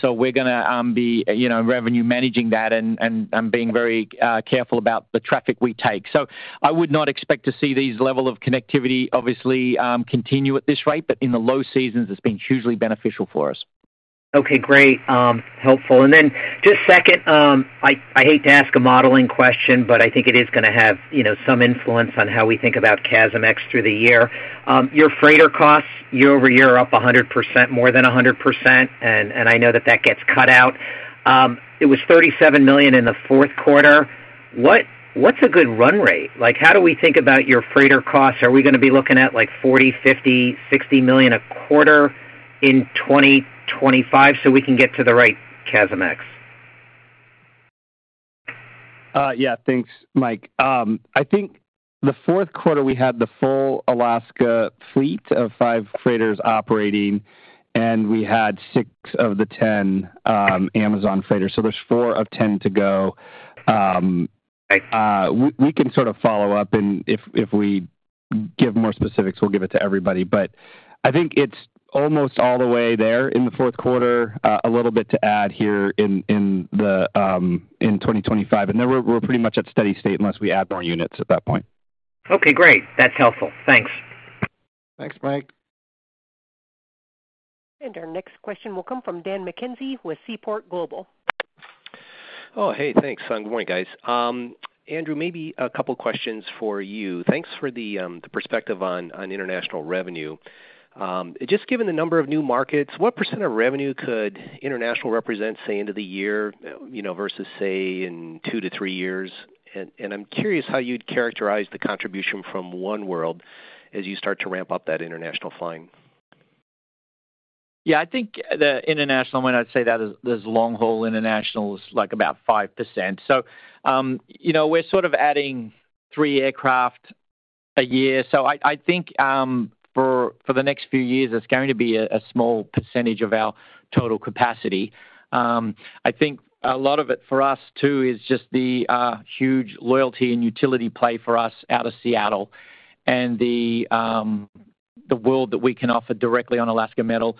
So we're going to be, you know, revenue managing that and being very careful about the traffic we take. So I would not expect to see these levels of connectivity, obviously, continue at this rate, but in the low seasons, it's been hugely beneficial for us. Okay. Great. Helpful. And then just second, I hate to ask a modeling question, but I think it is going to have, you know, some influence on how we think about CASM-ex through the year. Your freighter costs year-over-year are up 100%, more than 100%, and I know that that gets cut out. It was $37 million in the fourth quarter. What's a good run rate? Like, how do we think about your freighter costs? Are we going to be looking at like $40 million, $50 million, $60 million a quarter in 2025 so we can get to the right CASM-ex? Yeah. Thanks, Mike. I think the fourth quarter, we had the full Alaska fleet of five freighters operating, and we had six of the 10 Amazon freighters. So there's four of 10 to go. We can sort of follow up, and if we give more specifics, we'll give it to everybody. But I think it's almost all the way there in the fourth quarter, a little bit to add here in 2025, and then we're pretty much at steady state unless we add more units at that point. Okay. Great. That's helpful. Thanks. Thanks, Mike. Our next question will come from Dan McKenzie with Seaport Global. Oh, hey. Thanks. Good morning, guys. Andrew, maybe a couple of questions for you. Thanks for the perspective on international revenue. Just given the number of new markets, what percent of revenue could international represent, say, into the year, you know, versus, say, in two to three years, and I'm curious how you'd characterize the contribution from oneworld as you start to ramp up that international flying? Yeah. I think the international, I mean, I'd say that there's long-haul international is like about 5%. So, you know, we're sort of adding three aircraft a year. So I think for the next few years, it's going to be a small percentage of our total capacity. I think a lot of it for us too is just the huge loyalty and utility play for us out of Seattle and the world that we can offer directly on Alaska metal.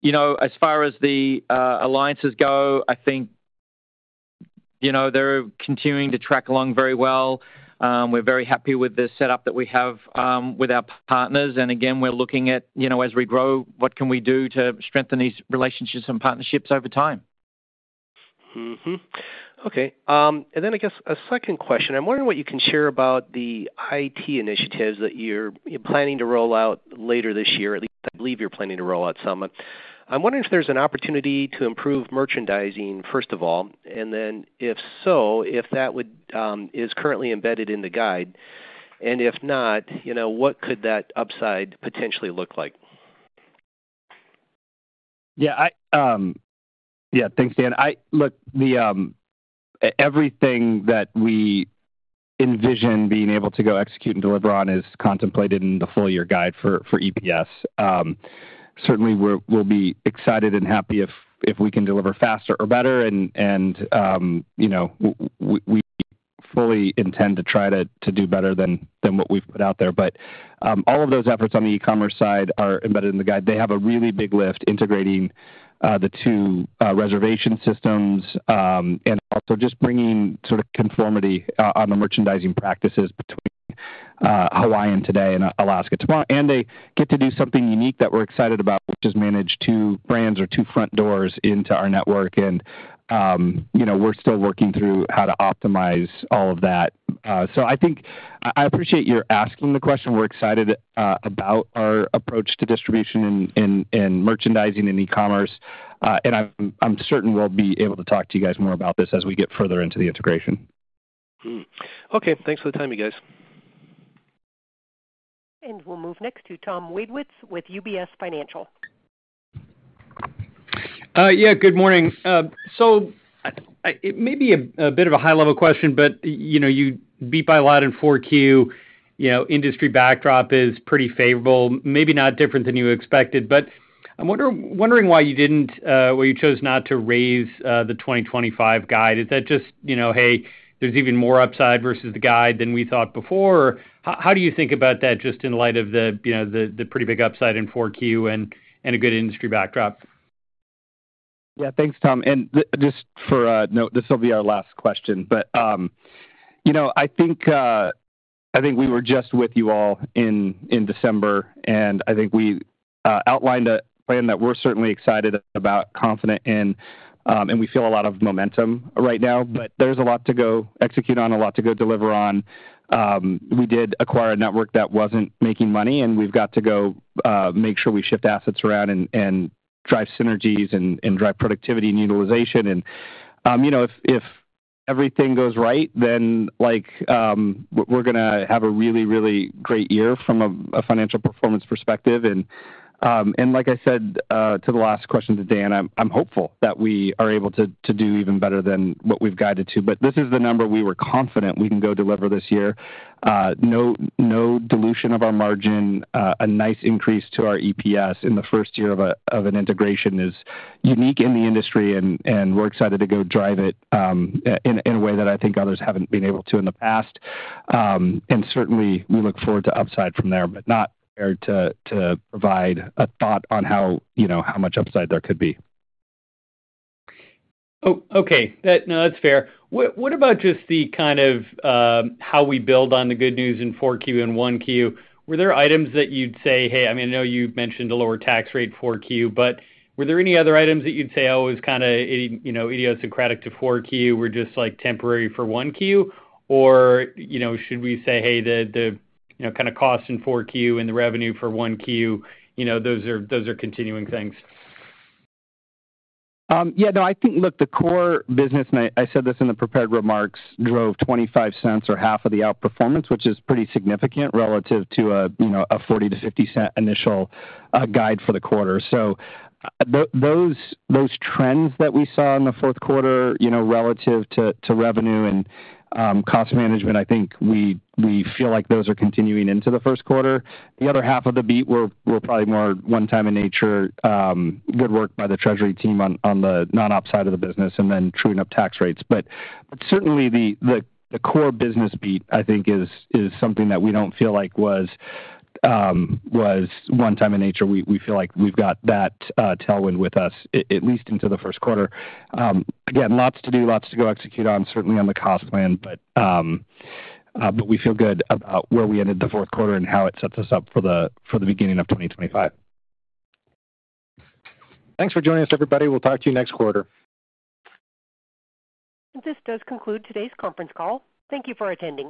You know, as far as the alliances go, I think, you know, they're continuing to track along very well. We're very happy with the setup that we have with our partners. And again, we're looking at, you know, as we grow, what can we do to strengthen these relationships and partnerships over time. Okay, and then I guess a second question. I'm wondering what you can share about the IT initiatives that you're planning to roll out later this year. At least I believe you're planning to roll out some. I'm wondering if there's an opportunity to improve merchandising, first of all, and then if so, if that is currently embedded in the guide, and if not, you know, what could that upside potentially look like? Yeah. Yeah. Thanks, Dan. Look, everything that we envision being able to go execute and deliver on is contemplated in the full year guide for EPS. Certainly, we'll be excited and happy if we can deliver faster or better. You know, we fully intend to try to do better than what we've put out there. But all of those efforts on the e-commerce side are embedded in the guide. They have a really big lift integrating the two reservation systems and also just bringing sort of conformity on the merchandising practices between Hawaiian today and Alaska tomorrow. They get to do something unique that we're excited about, which is manage two brands or two front doors into our network. You know, we're still working through how to optimize all of that. I think I appreciate your asking the question. We're excited about our approach to distribution and merchandising and e-commerce. And I'm certain we'll be able to talk to you guys more about this as we get further into the integration. Okay. Thanks for the time, you guys. We'll move next to Tom Wadewitz with UBS Financial. Yeah. Good morning. So it may be a bit of a high-level question, but, you know, you beat by alot in 4Q. You know, industry backdrop is pretty favorable, maybe not different than you expected. But I'm wondering why you didn't, why you chose not to raise the 2025 guide. Is that just, you know, hey, there's even more upside versus the guide than we thought before? Or how do you think about that just in light of the, you know, the pretty big upside in 4Q and a good industry backdrop? Yeah. Thanks, Tom. And just for a note, this will be our last question. But, you know, I think we were just with you all in December, and I think we outlined a plan that we're certainly excited about, confident in, and we feel a lot of momentum right now. But there's a lot to go execute on, a lot to go deliver on. We did acquire a network that wasn't making money, and we've got to go make sure we shift assets around and drive synergies and drive productivity and utilization. And, you know, if everything goes right, then like we're going to have a really, really great year from a financial performance perspective. And like I said to the last question to Dan, I'm hopeful that we are able to do even better than what we've guided to. This is the number we were confident we can go deliver this year. No dilution of our margin, a nice increase to our EPS in the first year of an integration is unique in the industry, and we're excited to go drive it in a way that I think others haven't been able to in the past. Certainly, we look forward to upside from there, but not prepared to provide a thought on how, you know, how much upside there could be. Oh, okay. No, that's fair. What about just the kind of how we build on the good news in 4Q and 1Q? Were there items that you'd say, "Hey, I mean, I know you mentioned a lower tax rate 4Q," but were there any other items that you'd say, "Oh, it was kind of, you know, idiosyncratic to 4Q," were just like temporary for 1Q? Or, you know, should we say, "Hey, the, you know, kind of cost in 1Q and the revenue for 1Q," you know, those are continuing things? Yeah. No, I think, look, the core business, and I said this in the prepared remarks, drove $0.25 or half of the outperformance, which is pretty significant relative to a, you know, a $0.40-$0.50 initial guide for the quarter. So those trends that we saw in the fourth quarter, you know, relative to revenue and cost management, I think we feel like those are continuing into the first quarter. The other half of the beat were probably more one-time in nature, good work by the treasury team on the non-op side of the business, and then true-up tax rates. But certainly, the core business beat, I think, is something that we don't feel like was one-time in nature. We feel like we've got that tailwind with us, at least into the first quarter. Again, lots to do, lots to go execute on, certainly on the cost plan, but we feel good about where we ended the fourth quarter and how it sets us up for the beginning of 2025. Thanks for joining us, everybody. We'll talk to you next quarter. This does conclude today's conference call. Thank you for attending.